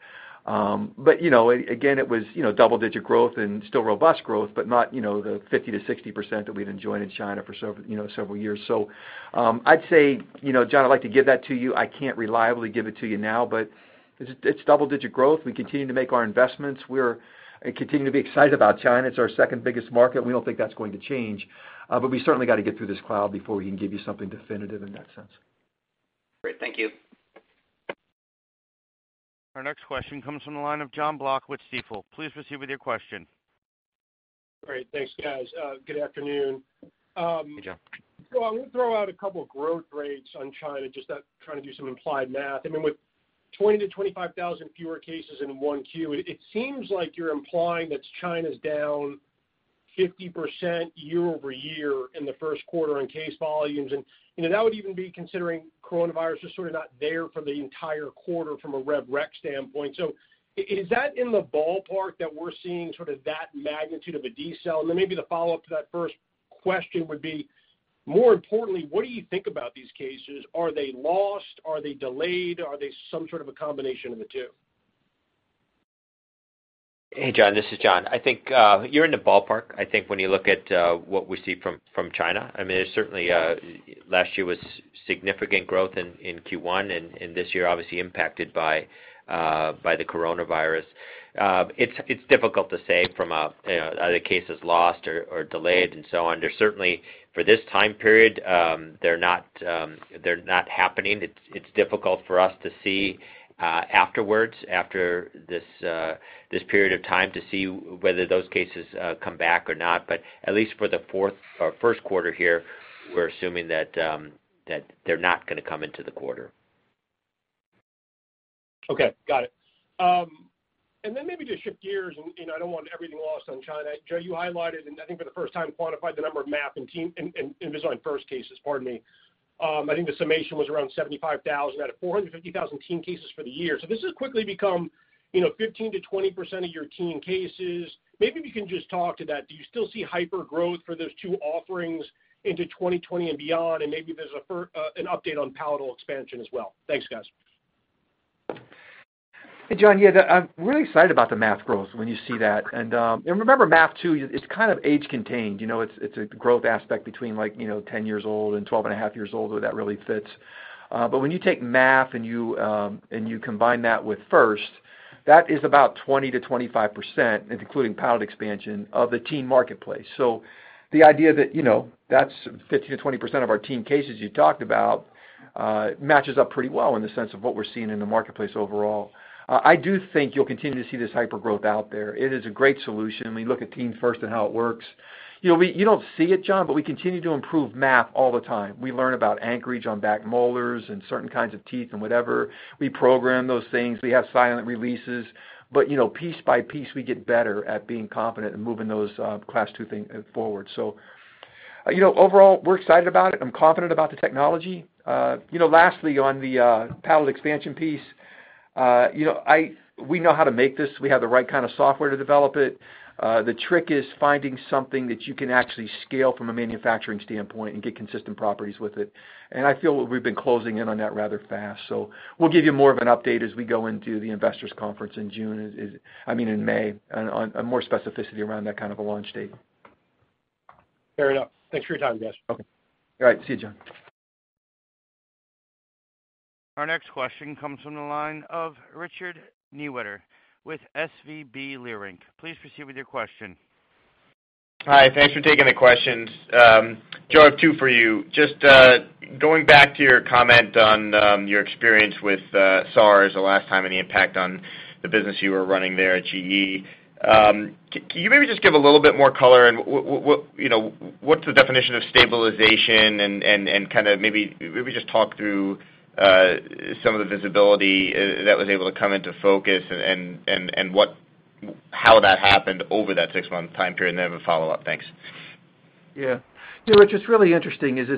Again, it was double-digit growth and still robust growth, but not the 50%-60% that we'd enjoyed in China for several years. I'd say, John, I'd like to give that to you. I can't reliably give it to you now, but it's double-digit growth. We continue to make our investments. We continue to be excited about China. It's our second-biggest market, and we don't think that's going to change. We certainly got to get through this cloud before we can give you something definitive in that sense. Great. Thank you. Our next question comes from the line of Jon Block with Stifel. Please proceed with your question. Great. Thanks, guys. Good afternoon. Hey, Jon. I want to throw out a couple of growth rates on China, just trying to do some implied math. With 20,000-25,000 fewer cases in 1Q, it seems like you're implying that China's down 50% year-over-year in the first quarter on case volumes. That would even be considering coronavirus just sort of not there for the entire quarter from a rev rec standpoint. Is that in the ballpark that we're seeing sort of that magnitude of a decel? Maybe the follow-up to that first question would be, more importantly, what do you think about these cases? Are they lost? Are they delayed? Are they some sort of a combination of the two? Hey, Jon, this is John. I think you're in the ballpark, I think when you look at what we see from China. Certainly, last year was significant growth in Q1, and this year obviously impacted by the coronavirus. It's difficult to say, are the cases lost or delayed and so on. They're certainly, for this time period, they're not happening. It's difficult for us to see afterwards, after this period of time to see whether those cases come back or not. At least for the first quarter here, we're assuming that they're not going to come into the quarter. Okay. Got it. Maybe to shift gears, I don't want everything lost on China. Joe, you highlighted, I think for the first time quantified the number of MA and Invisalign First cases, pardon me. I think the summation was around 75,000 out of 450,000 teen cases for the year. This has quickly become 15%-20% of your teen cases. Maybe if you can just talk to that. Do you still see hyper-growth for those two offerings into 2020 and beyond? Maybe there's an update on palatal expansion as well. Thanks, guys. Hey, Jon. I'm really excited about the MA growth when you see that. Remember, MA too, it's kind of age contained. It's a growth aspect between 10 years old and 12.5 Years old, where that really fits. When you take MA and you combine that with Invisalign First, that is about 20%-25%, including palatal expansion, of the teen marketplace. The idea that's 15%-20% of our teen cases you talked about, matches up pretty well in the sense of what we're seeing in the marketplace overall. I do think you'll continue to see this hyper-growth out there. It is a great solution when you look at Invisalign First and how it works. You don't see it, John, but we continue to improve MA all the time. We learn about anchorage on back molars and certain kinds of teeth and whatever. We program those things. We have silent releases. Piece by piece, we get better at being confident and moving those Class II things forward. Overall, we're excited about it. I'm confident about the technology. Lastly, on the palatal expansion piece, we know how to make this. We have the right kind of software to develop it. The trick is finding something that you can actually scale from a manufacturing standpoint and get consistent properties with it. I feel we've been closing in on that rather fast. We'll give you more of an update as we go into the investors' conference in June, I mean in May, on more specificity around that kind of a launch date. Fair enough. Thanks for your time, guys. Okay. All right. See you, John. Our next question comes from the line of Richard Newitter with SVB Leerink. Please proceed with your question. Hi. Thanks for taking the questions. Joe, I have two for you. Just going back to your comment on your experience with SARS the last time, and the impact on the business you were running there at GE. Can you maybe just give a little bit more color, and what's the definition of stabilization, and kind of maybe just talk through some of the visibility that was able to come into focus, and how that happened over that six-month time period? I have a follow-up. Thanks. Yeah. Richard, what's really interesting is,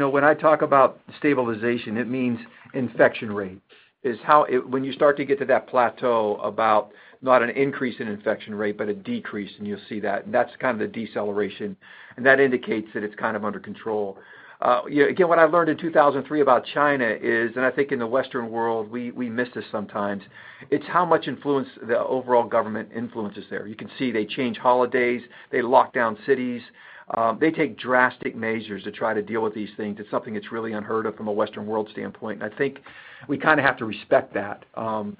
when I talk about stabilization, it means infection rates, is how when you start to get to that plateau about not an increase in infection rate, but a decrease, and you'll see that, and that's kind of the deceleration. That indicates that it's kind of under control. Again, what I learned in 2003 about China is, and I think in the Western world, we miss this sometimes, it's how much influence the overall government influence is there. You can see they change holidays, they lock down cities. They take drastic measures to try to deal with these things. It's something that's really unheard of from a Western world standpoint, and I think we kind of have to respect that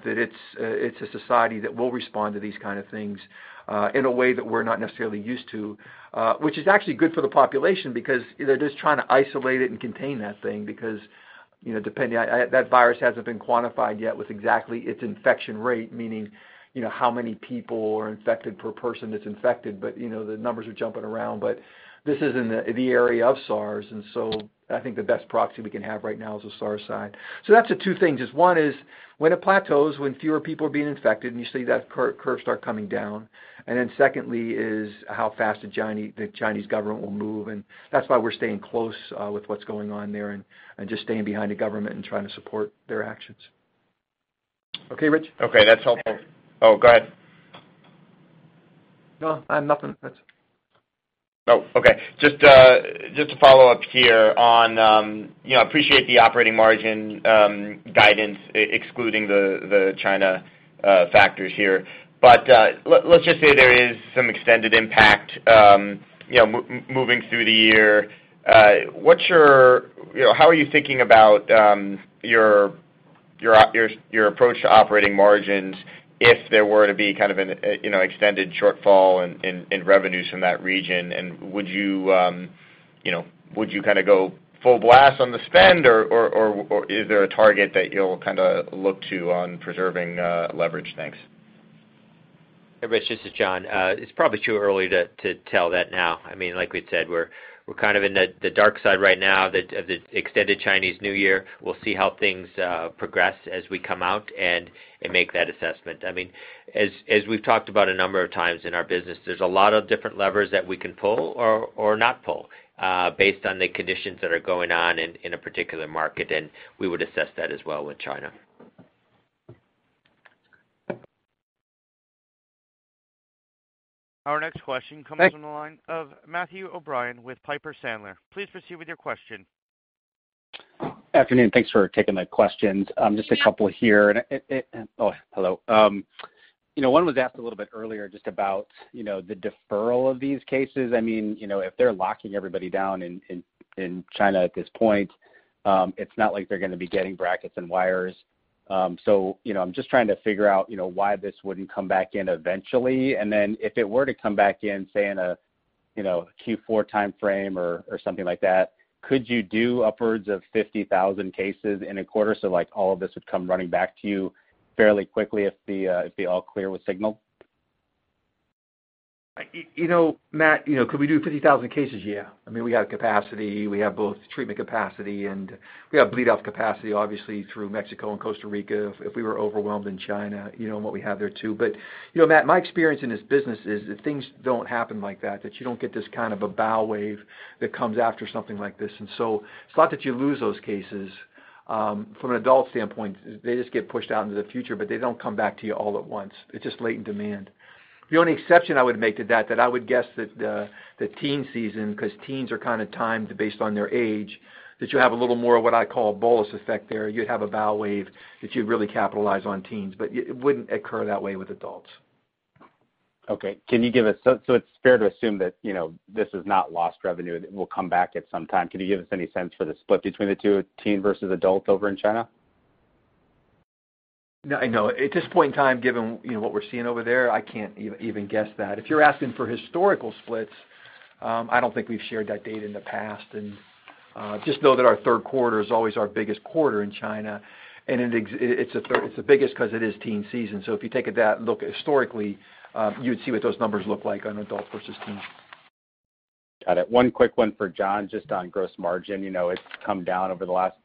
it's a society that will respond to these kind of things, in a way that we're not necessarily used to. Which is actually good for the population because they're just trying to isolate it and contain that thing because, depending, that virus hasn't been quantified yet with exactly its infection rate, meaning how many people are infected per person that's infected. The numbers are jumping around, but this is in the area of SARS, and so I think the best proxy we can have right now is the SARS side. That's the two things, is one is when it plateaus, when fewer people are being infected, and you see that curve start coming down. Secondly is how fast the Chinese government will move, and that's why we're staying close with what's going on there and just staying behind the government and trying to support their actions. Okay, Rich? Okay, that's helpful. Oh, go ahead. No, I have nothing. Oh, okay. Just to follow-up here on, I appreciate the operating margin guidance, excluding the China factors here. Let's just say there is some extended impact moving through the year. How are you thinking about your approach to operating margins if there were to be kind of an extended shortfall in revenues from that region? Would you go full blast on the spend, or is there a target that you'll look to on preserving leverage? Thanks. Everybody, this is John. It's probably too early to tell that now. Like we said, we're kind of in the dark side right now of the extended Chinese New Year. We'll see how things progress as we come out and make that assessment. As we've talked about a number of times in our business, there's a lot of different levers that we can pull or not pull based on the conditions that are going on in a particular market, and we would assess that as well with China. Our next question comes from the line of Matthew O'Brien with Piper Sandler. Please proceed with your question. Afternoon. Thanks for taking the questions. Just a couple here. One was asked a little bit earlier just about the deferral of these cases. If they're locking everybody down in China at this point, it's not like they're going to be getting brackets and wires. I'm just trying to figure out why this wouldn't come back in eventually. If it were to come back in, say, in a Q4 timeframe or something like that, could you do upwards of 50,000 cases in a quarter? All of this would come running back to you fairly quickly if the all clear was signaled. Matthew, could we do 50,000 cases? Yeah. We have capacity. We have both treatment capacity and we have bleed off capacity, obviously, through Mexico and Costa Rica, if we were overwhelmed in China, and what we have there, too. Matt, my experience in this business is that things don't happen like that you don't get this kind of a bow wave that comes after something like this. It's not that you lose those cases. From an adult standpoint, they just get pushed out into the future, but they don't come back to you all at once. It's just latent demand. The only exception I would make to that I would guess that the teen season, because teens are kind of timed based on their age, that you have a little more of what I call a bolus effect there. You'd have a bow wave that you'd really capitalize on teens, but it wouldn't occur that way with adults. Okay. It's fair to assume that this is not lost revenue, it will come back at some time. Can you give us any sense for the split between the two, teen versus adult over in China? No. At this point in time, given what we're seeing over there, I can't even guess that. If you're asking for historical splits, I don't think we've shared that data in the past. Just know that our third quarter is always our biggest quarter in China, and it's the biggest because it is teen season. If you take that look historically, you would see what those numbers look like on adult versus teen. Got it. One quick one for John, just on gross margin. It's come down over the last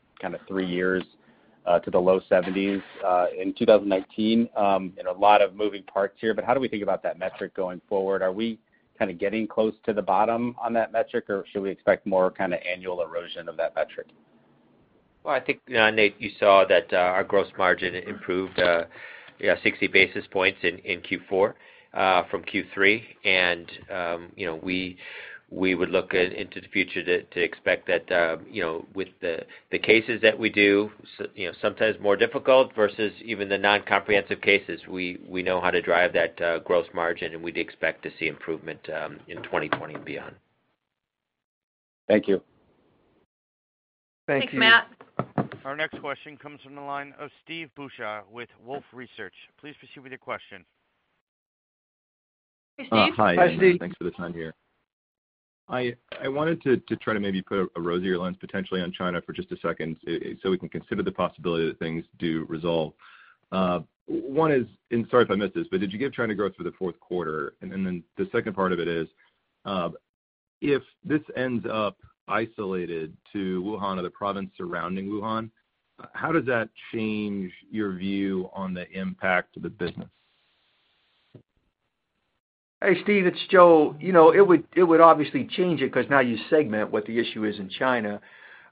three years to the low 70s. In 2019, in a lot of moving parts here, how do we think about that metric going forward? Are we kind of getting close to the bottom on that metric? Should we expect more annual erosion of that metric? Well, I think, Nate, you saw that our gross margin improved 60 basis points in Q4 from Q3. We would look into the future to expect that with the cases that we do, sometimes more difficult versus even the non-comprehensive cases, we know how to drive that gross margin, and we'd expect to see improvement in 2020 and beyond. Thank you. Thank you. Thanks, Matt. Our next question comes from the line of Steve Beuchaw with Wolfe Research. Please proceed with your question. Hi, Steve. Hi. Thanks for the time here. I wanted to try to maybe put a rosier lens potentially on China for just a second so we can consider the possibility that things do resolve. One is, sorry if I missed this, but did you give China growth for the fourth quarter? The second part of it is, if this ends up isolated to Wuhan or the province surrounding Wuhan, how does that change your view on the impact to the business? Hey, Steve. It's Joe. It would obviously change it because now you segment what the issue is in China.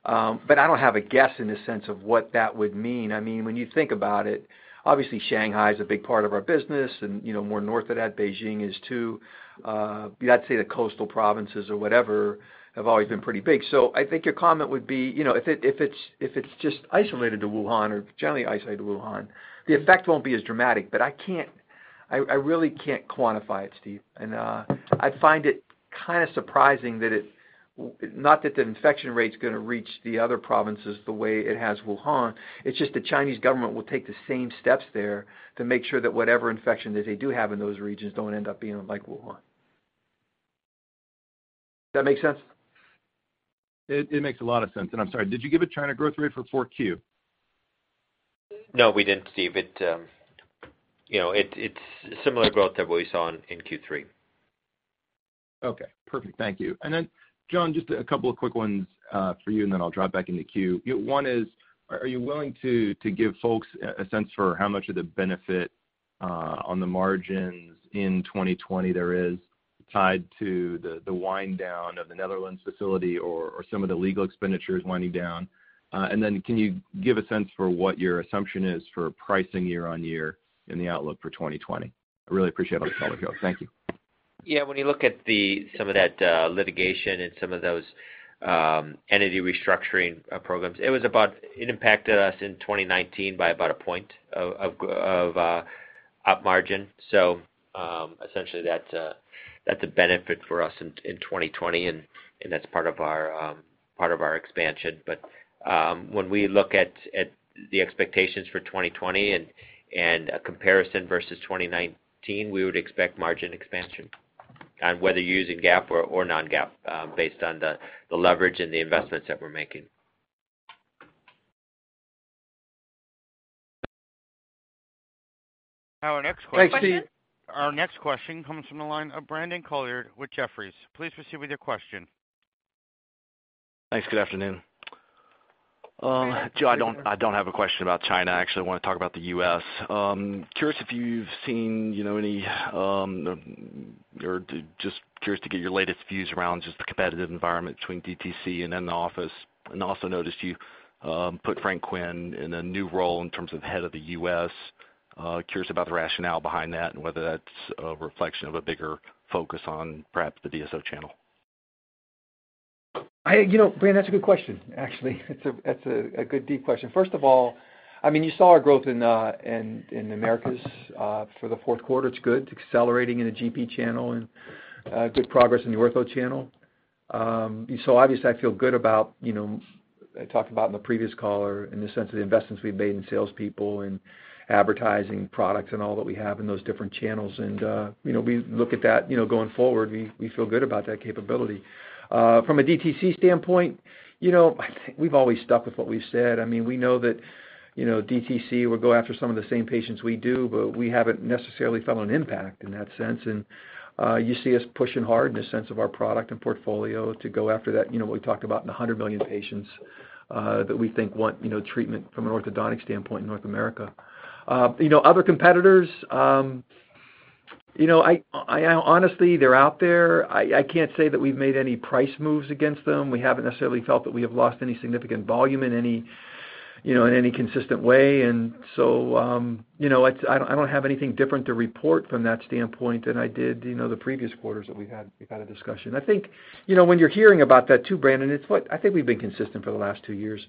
I don't have a guess in the sense of what that would mean. When you think about it, obviously Shanghai is a big part of our business, and more north of that, Beijing is, too. I'd say the coastal provinces or whatever have always been pretty big. I think your comment would be, if it's just isolated to Wuhan or generally isolated to Wuhan, the effect won't be as dramatic. I really can't quantify it, Steve. I find it kind of surprising, not that the infection rate's going to reach the other provinces the way it has Wuhan, it's just the Chinese government will take the same steps there to make sure that whatever infection that they do have in those regions don't end up being like Wuhan. That make sense? It makes a lot of sense. I'm sorry, did you give a China growth rate for 4Q? No, we didn't, Steve. It's similar growth that we saw in Q3. Okay, perfect. Thank you. John, just a couple of quick ones for you, then I'll drop back in the queue. One is, are you willing to give folks a sense for how much of the benefit on the margins in 2020 is tied to the wind down of the Netherlands facility or some of the legal expenditures winding down? Can you give a sense for what your assumption is for pricing year-on-year in the outlook for 2020? I really appreciate all the color, Joe. Thank you. When you look at some of that litigation and some of those entity restructuring programs, it impacted us in 2019 by about a point of op margin. Essentially that's a benefit for us in 2020, and that's part of our expansion. When we look at the expectations for 2020 and a comparison versus 2019, we would expect margin expansion on whether using GAAP or non-GAAP, based on the leverage and the investments that we're making. Our next question- Thanks, Steve. Our next question comes from the line of Brandon Couillard with Jefferies. Please proceed with your question. Thanks. Good afternoon. Joe, I don't have a question about China. Actually, I want to talk about the U.S. Curious if you've seen any, or just curious to get your latest views around just the competitive environment between DTC and in the office, and also noticed you put Frank Quinn in a new role in terms of head of the U.S. Curious about the rationale behind that and whether that's a reflection of a bigger focus on perhaps the DSO channel. Hey, Brandon, that's a good question, actually. It's a good deep question. First of all, you saw our growth in Americas for the fourth quarter. It's good. It's accelerating in the GP channel and good progress in the ortho channel. Obviously, I feel good about, I talked about in the previous caller in the sense of the investments we've made in salespeople and advertising products and all that we have in those different channels. We look at that, going forward, we feel good about that capability. From a DTC standpoint, we've always stuck with what we've said. We know that DTC will go after some of the same patients we do, but we haven't necessarily felt an impact in that sense. You see us pushing hard in the sense of our product and portfolio to go after that. We talked about in 100 million patients, that we think want treatment from an orthodontic standpoint in North America. Other competitors, honestly, they're out there. I can't say that we've made any price moves against them. We haven't necessarily felt that we have lost any significant volume in any consistent way. I don't have anything different to report from that standpoint than I did the previous quarters that we've had a discussion. I think, when you're hearing about that too, Brandon, I think we've been consistent for the last two years.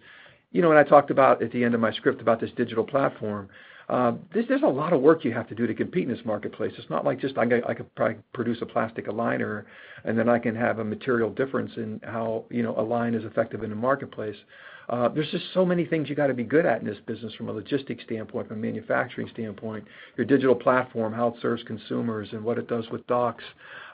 When I talked about at the end of my script about this digital platform, there's a lot of work you have to do to compete in this marketplace. It's not like just I could probably produce a plastic aligner, and then I can have a material difference in how Align is effective in the marketplace. There's just so many things you got to be good at in this business from a logistics standpoint, from a manufacturing standpoint, your digital platform, how it serves consumers and what it does with docs.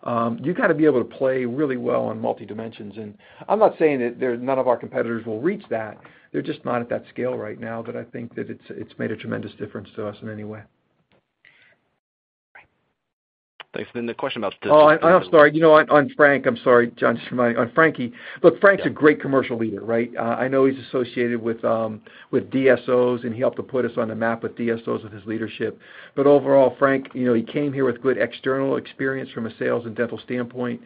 You got to be able to play really well on multi-dimensions, and I'm not saying that none of our competitors will reach that. They're just not at that scale right now. I think that it's made a tremendous difference to us in any way. Thanks. Oh, I'm sorry. On Frank, I'm sorry, John, just reminding. On Frankie. Look, Frank's a great commercial leader, right? I know he's associated with DSOs, and he helped to put us on the map with DSOs with his leadership. Overall, Frank, he came here with good external experience from a sales and dental standpoint.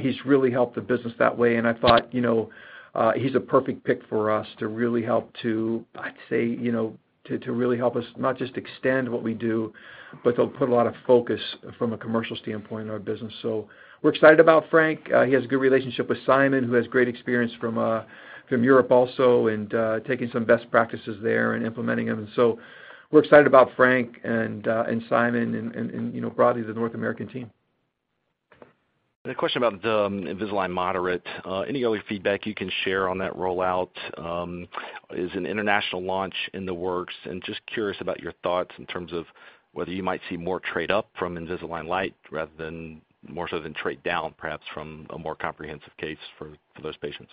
He's really helped the business that way, and I thought he's a perfect pick for us to really help us not just extend what we do, but to put a lot of focus from a commercial standpoint in our business. We're excited about Frank. He has a good relationship with Simon, who has great experience from Europe also, and taking some best practices there and implementing them. We're excited about Frank and Simon and broadly the North American team. A question about the Invisalign Moderate. Any early feedback you can share on that rollout? Is an international launch in the works, and just curious about your thoughts in terms of whether you might see more trade up from Invisalign Lite rather than more so than trade down, perhaps from a more comprehensive case for those patients.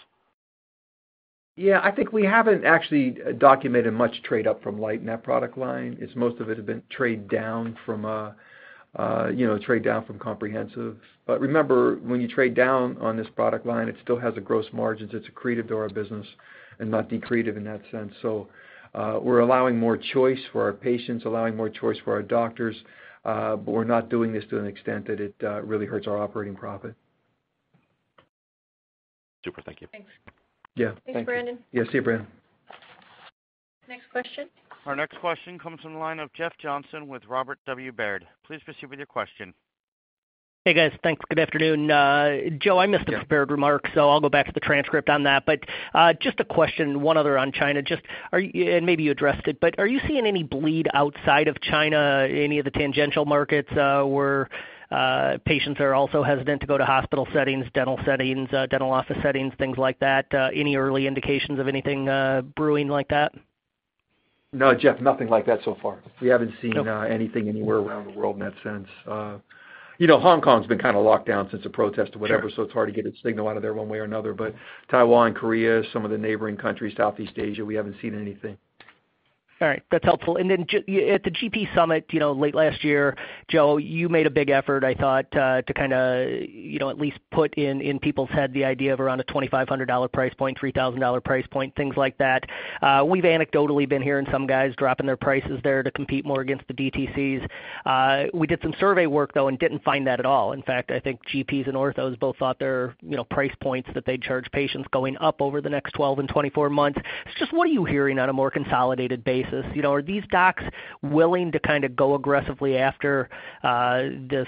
Yeah, I think we haven't actually documented much trade up from Lite in that product line, as most of it had been trade down from Comprehensive. Remember, when you trade down on this product line, it still has a gross margin. It's accretive to our business and not decretive in that sense. We're allowing more choice for our patients, allowing more choice for our doctors. We're not doing this to an extent that it really hurts our operating profit. Super. Thank you. Yeah. Thanks, Brandon. Yeah, see you, Brandon. Next question. Our next question comes from the line of Jeff Johnson with Robert W. Baird. Please proceed with your question. Hey, guys. Thanks. Good afternoon. Joe, I missed the Baird remark, so I'll go back to the transcript on that. Just a question, one other on China. Maybe you addressed it, but are you seeing any bleed outside of China, any of the tangential markets, where patients are also hesitant to go to hospital settings, dental settings, dental office settings, things like that? Any early indications of anything brewing like that? No, Jeff, nothing like that so far. We haven't seen anything anywhere around the world in that sense. Hong Kong's been kind of locked down since the protest or whatever, so it's hard to get a signal out of there one way or another. Taiwan, Korea, some of the neighboring countries, Southeast Asia, we haven't seen anything. All right. That's helpful. At the Invisalign GP Summit late last year, Joe, you made a big effort, I thought, to at least put in people's head the idea of around a $2,500 price point, $3,000 price point, things like that. We've anecdotally been hearing some guys dropping their prices there to compete more against the DTCs. We did some survey work, though, and didn't find that at all. In fact, I think GPs and orthos both thought their price points that they'd charge patients going up over the next 12 and 24 months. It's just, what are you hearing on a more consolidated basis? Are these docs willing to go aggressively after this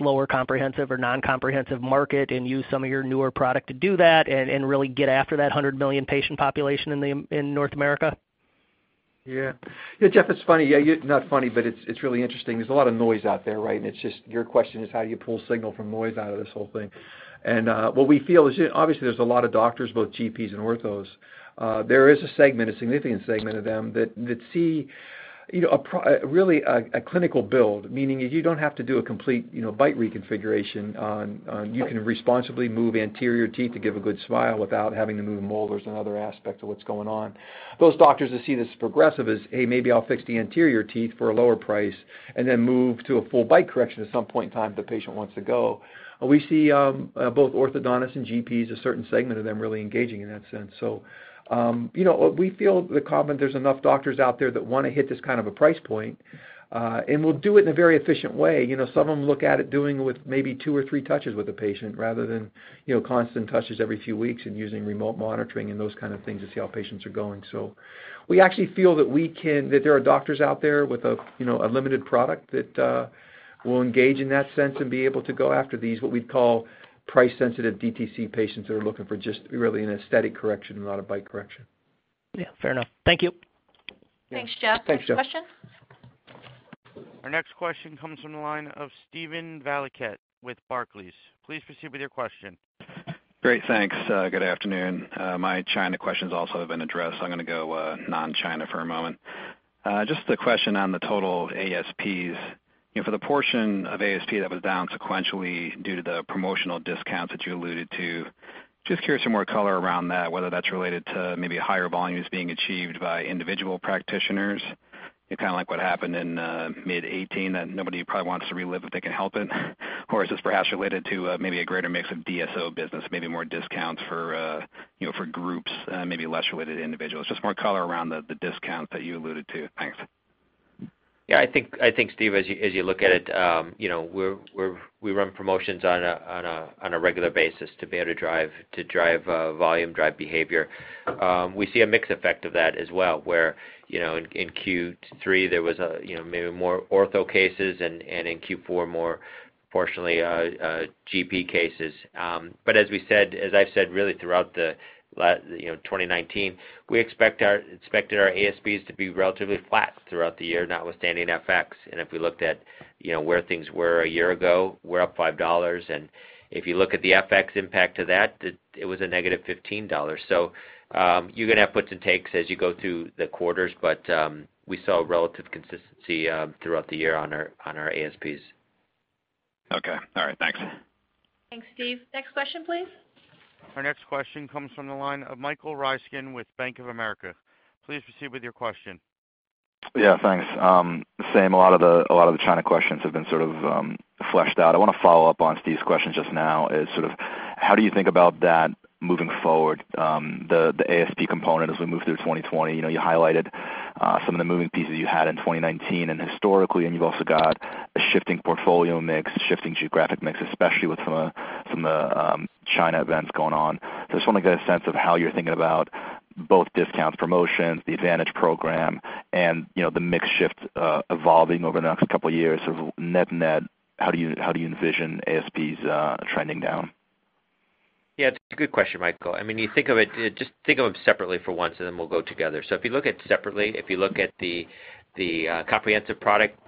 lower comprehensive or non-comprehensive market and use some of your newer product to do that and really get after that 100 million patient population in North America? Yeah. Jeff, it's funny. Not funny, it's really interesting. There's a lot of noise out there, right? Your question is how do you pull signal from noise out of this whole thing? What we feel is, obviously, there's a lot of doctors, both GPs and orthos. There is a segment, a significant segment of them that see really a clinical build, meaning you don't have to do a complete bite reconfiguration on. Right. You can responsibly move anterior teeth to give a good smile without having to move molars and other aspects of what's going on. Those doctors who see this progressive as, "Hey, maybe I'll fix the anterior teeth for a lower price, and then move to a full bite correction at some point in time if the patient wants to go." We see both orthodontists and GPs, a certain segment of them really engaging in that sense. We feel the comment, there's enough doctors out there that want to hit this kind of a price point, and will do it in a very efficient way. Some of them look at it doing with maybe two or three touches with a patient rather than constant touches every few weeks and using remote monitoring and those kind of things to see how patients are going. We actually feel that there are doctors out there with a limited product that will engage in that sense and be able to go after these, what we'd call price sensitive DTC patients that are looking for just really an aesthetic correction and not a bite correction. Yeah. Fair enough. Thank you. Yeah. Thanks, Jeff. Thanks, Jeff. Next question. Our next question comes from the line of Steven Valiquette with Barclays. Please proceed with your question. Great. Thanks. Good afternoon. My China questions also have been addressed. I'm going to go non-China for a moment. Just a question on the total ASPs. For the portion of ASP that was down sequentially due to the promotional discounts that you alluded to, just curious for more color around that, whether that's related to maybe higher volumes being achieved by individual practitioners, kind of like what happened in mid 2018 that nobody probably wants to relive if they can help it. Is this perhaps related to maybe a greater mix of DSO business, maybe more discounts for groups, maybe less related to individuals? Just more color around the discount that you alluded to. Thanks. Yeah, I think, Steven, as you look at it, we run promotions on a regular basis to be able to drive volume, drive behavior. We see a mixed effect of that as well, where, in Q3, there was maybe more ortho cases, and in Q4, more fortunately, GP cases. As I've said really throughout 2019, we expected our ASPs to be relatively flat throughout the year, notwithstanding FX. If we looked at where things were a year ago, we're up $5. If you look at the FX impact to that, it was a -$15. You're going to have puts and takes as you go through the quarters, but we saw a relative consistency throughout the year on our ASPs. Okay. All right. Thanks. Thanks, Steve. Next question, please. Our next question comes from the line of Michael Ryskin with Bank of America. Please proceed with your question. Yeah. Thanks. Same, a lot of the China questions have been sort of fleshed out. I want to follow-up on Steve's question just now is, how do you think about that moving forward, the ASP component as we move through 2020? You highlighted some of the moving pieces you had in 2019 and historically, and you've also got a shifting portfolio mix, shifting geographic mix, especially with some of the China events going on. I just want to get a sense of how you're thinking about both discounts, promotions, the Advantage Program, and the mix shift evolving over the next couple of years of net net, how do you envision ASPs trending down? Yeah, it's a good question, Michael. Just think of them separately for once and then we'll go together. If you look at separately, if you look at the Comprehensive product,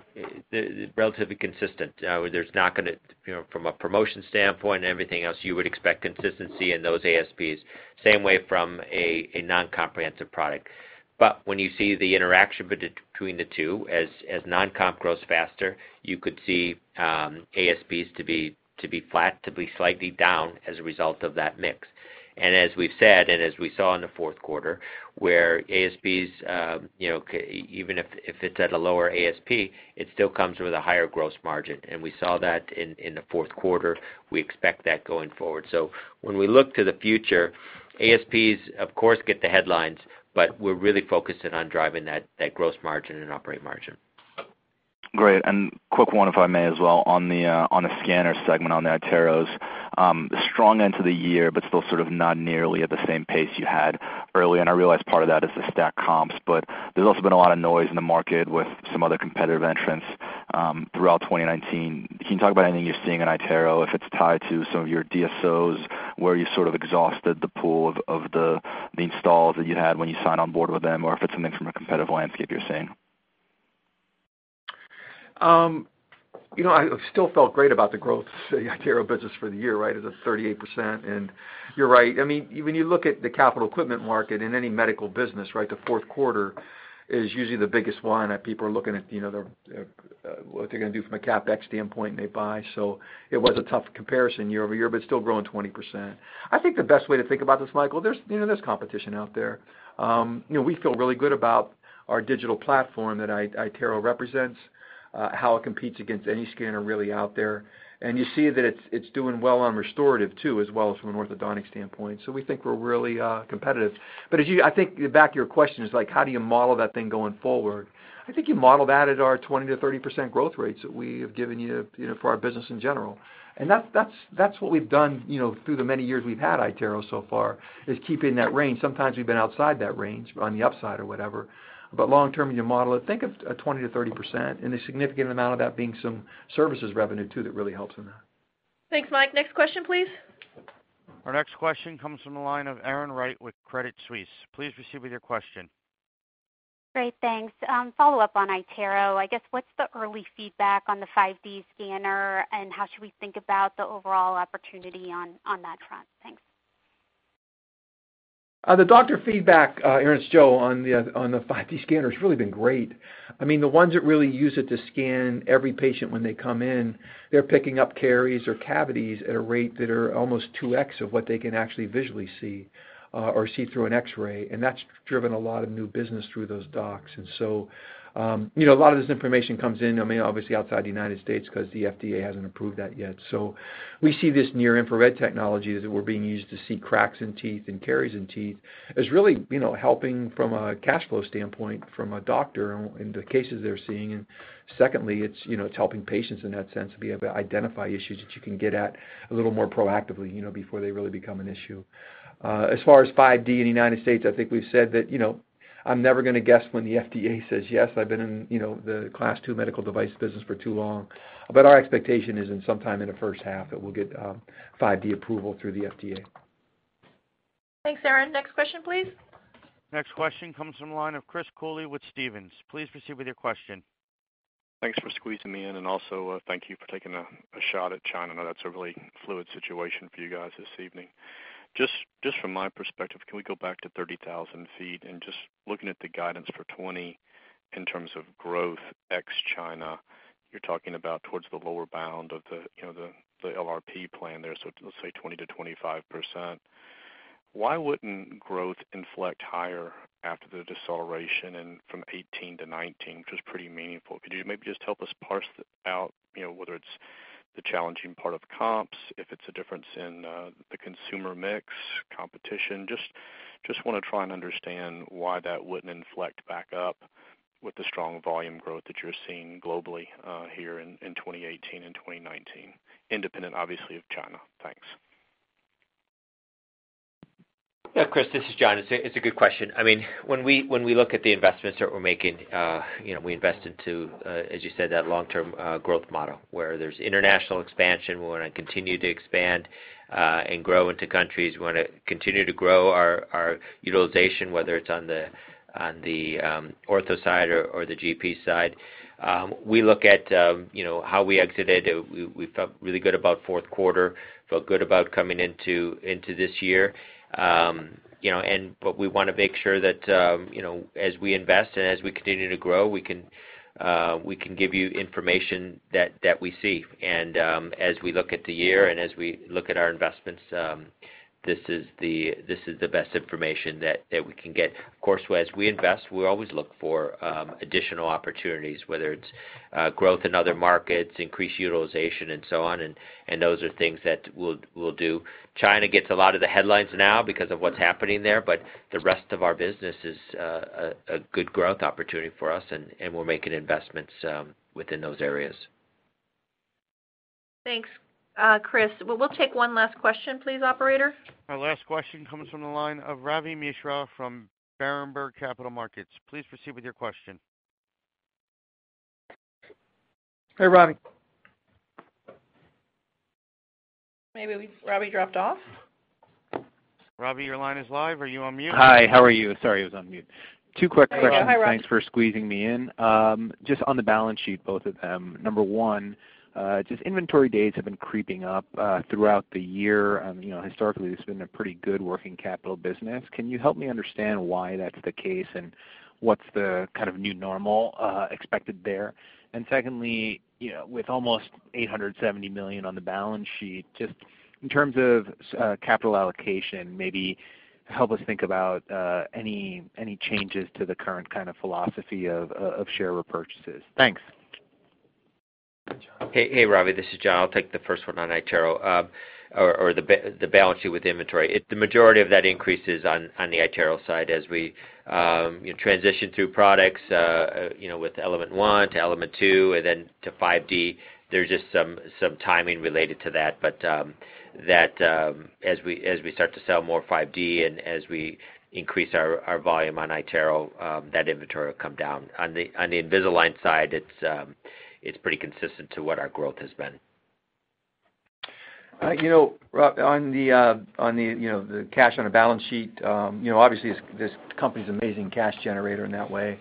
relatively consistent. From a promotion standpoint and everything else, you would expect consistency in those ASPs. Same way from a Non-Comprehensive product. When you see the interaction between the two, as Non-Comp grows faster, you could see ASPs to be flat, to be slightly down as a result of that mix. As we've said, and as we saw in the fourth quarter, where ASPs, even if it's at a lower ASP, it still comes with a higher gross margin. We saw that in the fourth quarter. We expect that going forward. When we look to the future, ASPs, of course, get the headlines, but we're really focusing on driving that gross margin and operating margin. Quick one, if I may, as well, on the scanner segment on the iTero. Strong end to the year, but still sort of not nearly at the same pace you had early on. I realize part of that is the stacked comps, but there's also been a lot of noise in the market with some other competitive entrants throughout 2019. Can you talk about anything you're seeing in iTero, if it's tied to some of your DSOs, where you sort of exhausted the pool of the installs that you had when you signed on board with them, or if it's something from a competitive landscape you're seeing? I still felt great about the growth of the iTero business for the year. It was up 38%, and you're right. When you look at the capital equipment market in any medical business, the fourth quarter is usually the biggest one that people are looking at what they're going to do from a CapEx standpoint, and they buy. It was a tough comparison year-over-year, but still growing 20%. I think the best way to think about this, Michael, there's competition out there. We feel really good about our digital platform that iTero represents, how it competes against any scanner really out there. You see that it's doing well on restorative, too, as well as from an orthodontic standpoint. We think we're really competitive. I think back to your question, is how do you model that thing going forward? I think you model that at our 20%-30% growth rates that we have given you for our business in general. That's what we've done through the many years we've had iTero so far, is keeping that range. Sometimes we've been outside that range, on the upside or whatever. Long-term, you model it, think of 20%-30%, and a significant amount of that being some services revenue, too, that really helps in that. Thanks, Mike. Next question, please. Our next question comes from the line of Erin Wright with Credit Suisse. Please proceed with your question. Great. Thanks. Follow-up on iTero. I guess, what's the early feedback on the 5D scanner, and how should we think about the overall opportunity on that front? Thanks. The doctor feedback, Erin, it's Joe, on the 5D scanner has really been great. The ones that really use it to scan every patient when they come in, they're picking up caries or cavities at a rate that are almost 2x of what they can actually visually see or see through an X-ray, that's driven a lot of new business through those docs. A lot of this information comes in, obviously outside the U.S., because the FDA hasn't approved that yet. We see this near-infrared technology that we're being used to see cracks in teeth and caries in teeth as really helping from a cash flow standpoint, from a doctor in the cases they're seeing. Secondly, it's helping patients in that sense to be able to identify issues that you can get at a little more proactively, before they really become an issue. As far as 5D in the U.S., I think we've said that I'm never going to guess when the FDA says yes. I've been in the Class II medical device business for too long. Our expectation is in sometime in the first half that we'll get 5D approval through the FDA. Thanks, Erin. Next question, please. Next question comes from the line of Chris Cooley with Stephens. Please proceed with your question. Thanks for squeezing me in. Also, thank you for taking a shot at China. I know that's a really fluid situation for you guys this evening. Just from my perspective, can we go back to 30,000 ft and just looking at the guidance for 2020 in terms of growth ex China, you're talking about towards the lower bound of the LRP plan there. Let's say 20%-25%. Why wouldn't growth inflect higher after the deceleration and from 2018 to 2019, which was pretty meaningful? Could you maybe just help us parse out whether it's the challenging part of comps, if it's a difference in the consumer mix, competition? Just want to try and understand why that wouldn't inflect back up with the strong volume growth that you're seeing globally here in 2018 and 2019, independent, obviously, of China. Thanks. Chris, this is John. It's a good question. When we look at the investments that we're making, we invest into, as you said, that long-term growth model, where there's international expansion, we want to continue to expand and grow into countries. We want to continue to grow our utilization, whether it's on the ortho side or the GP side. We look at how we exited. We felt really good about fourth quarter, felt good about coming into this year. We want to make sure that as we invest and as we continue to grow, we can give you information that we see. As we look at the year and as we look at our investments, this is the best information that we can get. Of course, as we invest, we always look for additional opportunities, whether it's growth in other markets, increased utilization, and so on. Those are things that we'll do. China gets a lot of the headlines now because of what's happening there. The rest of our business is a good growth opportunity for us. We're making investments within those areas. Thanks, Chris. We'll take one last question, please, operator. Our last question comes from the line of Ravi Misra from Berenberg Capital Markets. Please proceed with your question. Hey, Ravi. Maybe Ravi dropped off. Ravi, your line is live. Are you on mute? Hi, how are you? Sorry, I was on mute. Two quick questions. Hi, Ravi. Thanks for squeezing me in. Just on the balance sheet, both of them. Number one, just inventory days have been creeping up throughout the year. Historically, it's been a pretty good working capital business. Can you help me understand why that's the case, and what's the kind of new normal expected there? Secondly, with almost $870 million on the balance sheet, just in terms of capital allocation, maybe help us think about any changes to the current kind of philosophy of share repurchases. Thanks. Hey, Ravi, this is John. I'll take the first one on iTero, or the balance sheet with inventory. The majority of that increase is on the iTero side as we transition through products with Element 1 to Element 2 and then to 5D. There's just some timing related to that, but as we start to sell more 5D and as we increase our volume on iTero, that inventory will come down. On the Invisalign side, it's pretty consistent to what our growth has been. Ravi, on the cash on the balance sheet, obviously this company's an amazing cash generator in that way.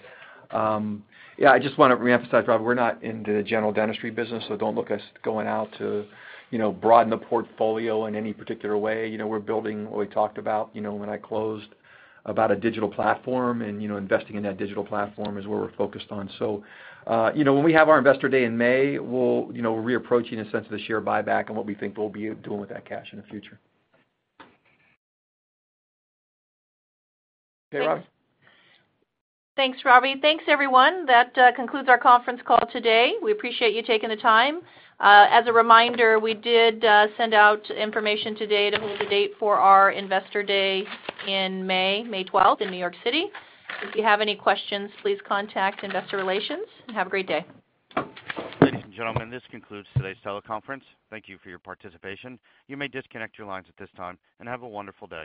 I just want to reemphasize, Ravi, we're not in the general dentistry business, so don't look at us going out to broaden the portfolio in any particular way. We're building what we talked about when I closed, about a digital platform, and investing in that digital platform is where we're focused on. When we have our investor day in May, we're re-approaching a sense of the share buyback and what we think we'll be doing with that cash in the future. Okay, Ravi? Thanks, Ravi. Thanks, everyone. That concludes our conference call today. We appreciate you taking the time. As a reminder, we did send out information today to hold the date for our investor day in May 12th in New York City. If you have any questions, please contact investor relations, and have a great day. Ladies and gentlemen, this concludes today's teleconference. Thank you for your participation. You may disconnect your lines at this time, and have a wonderful day.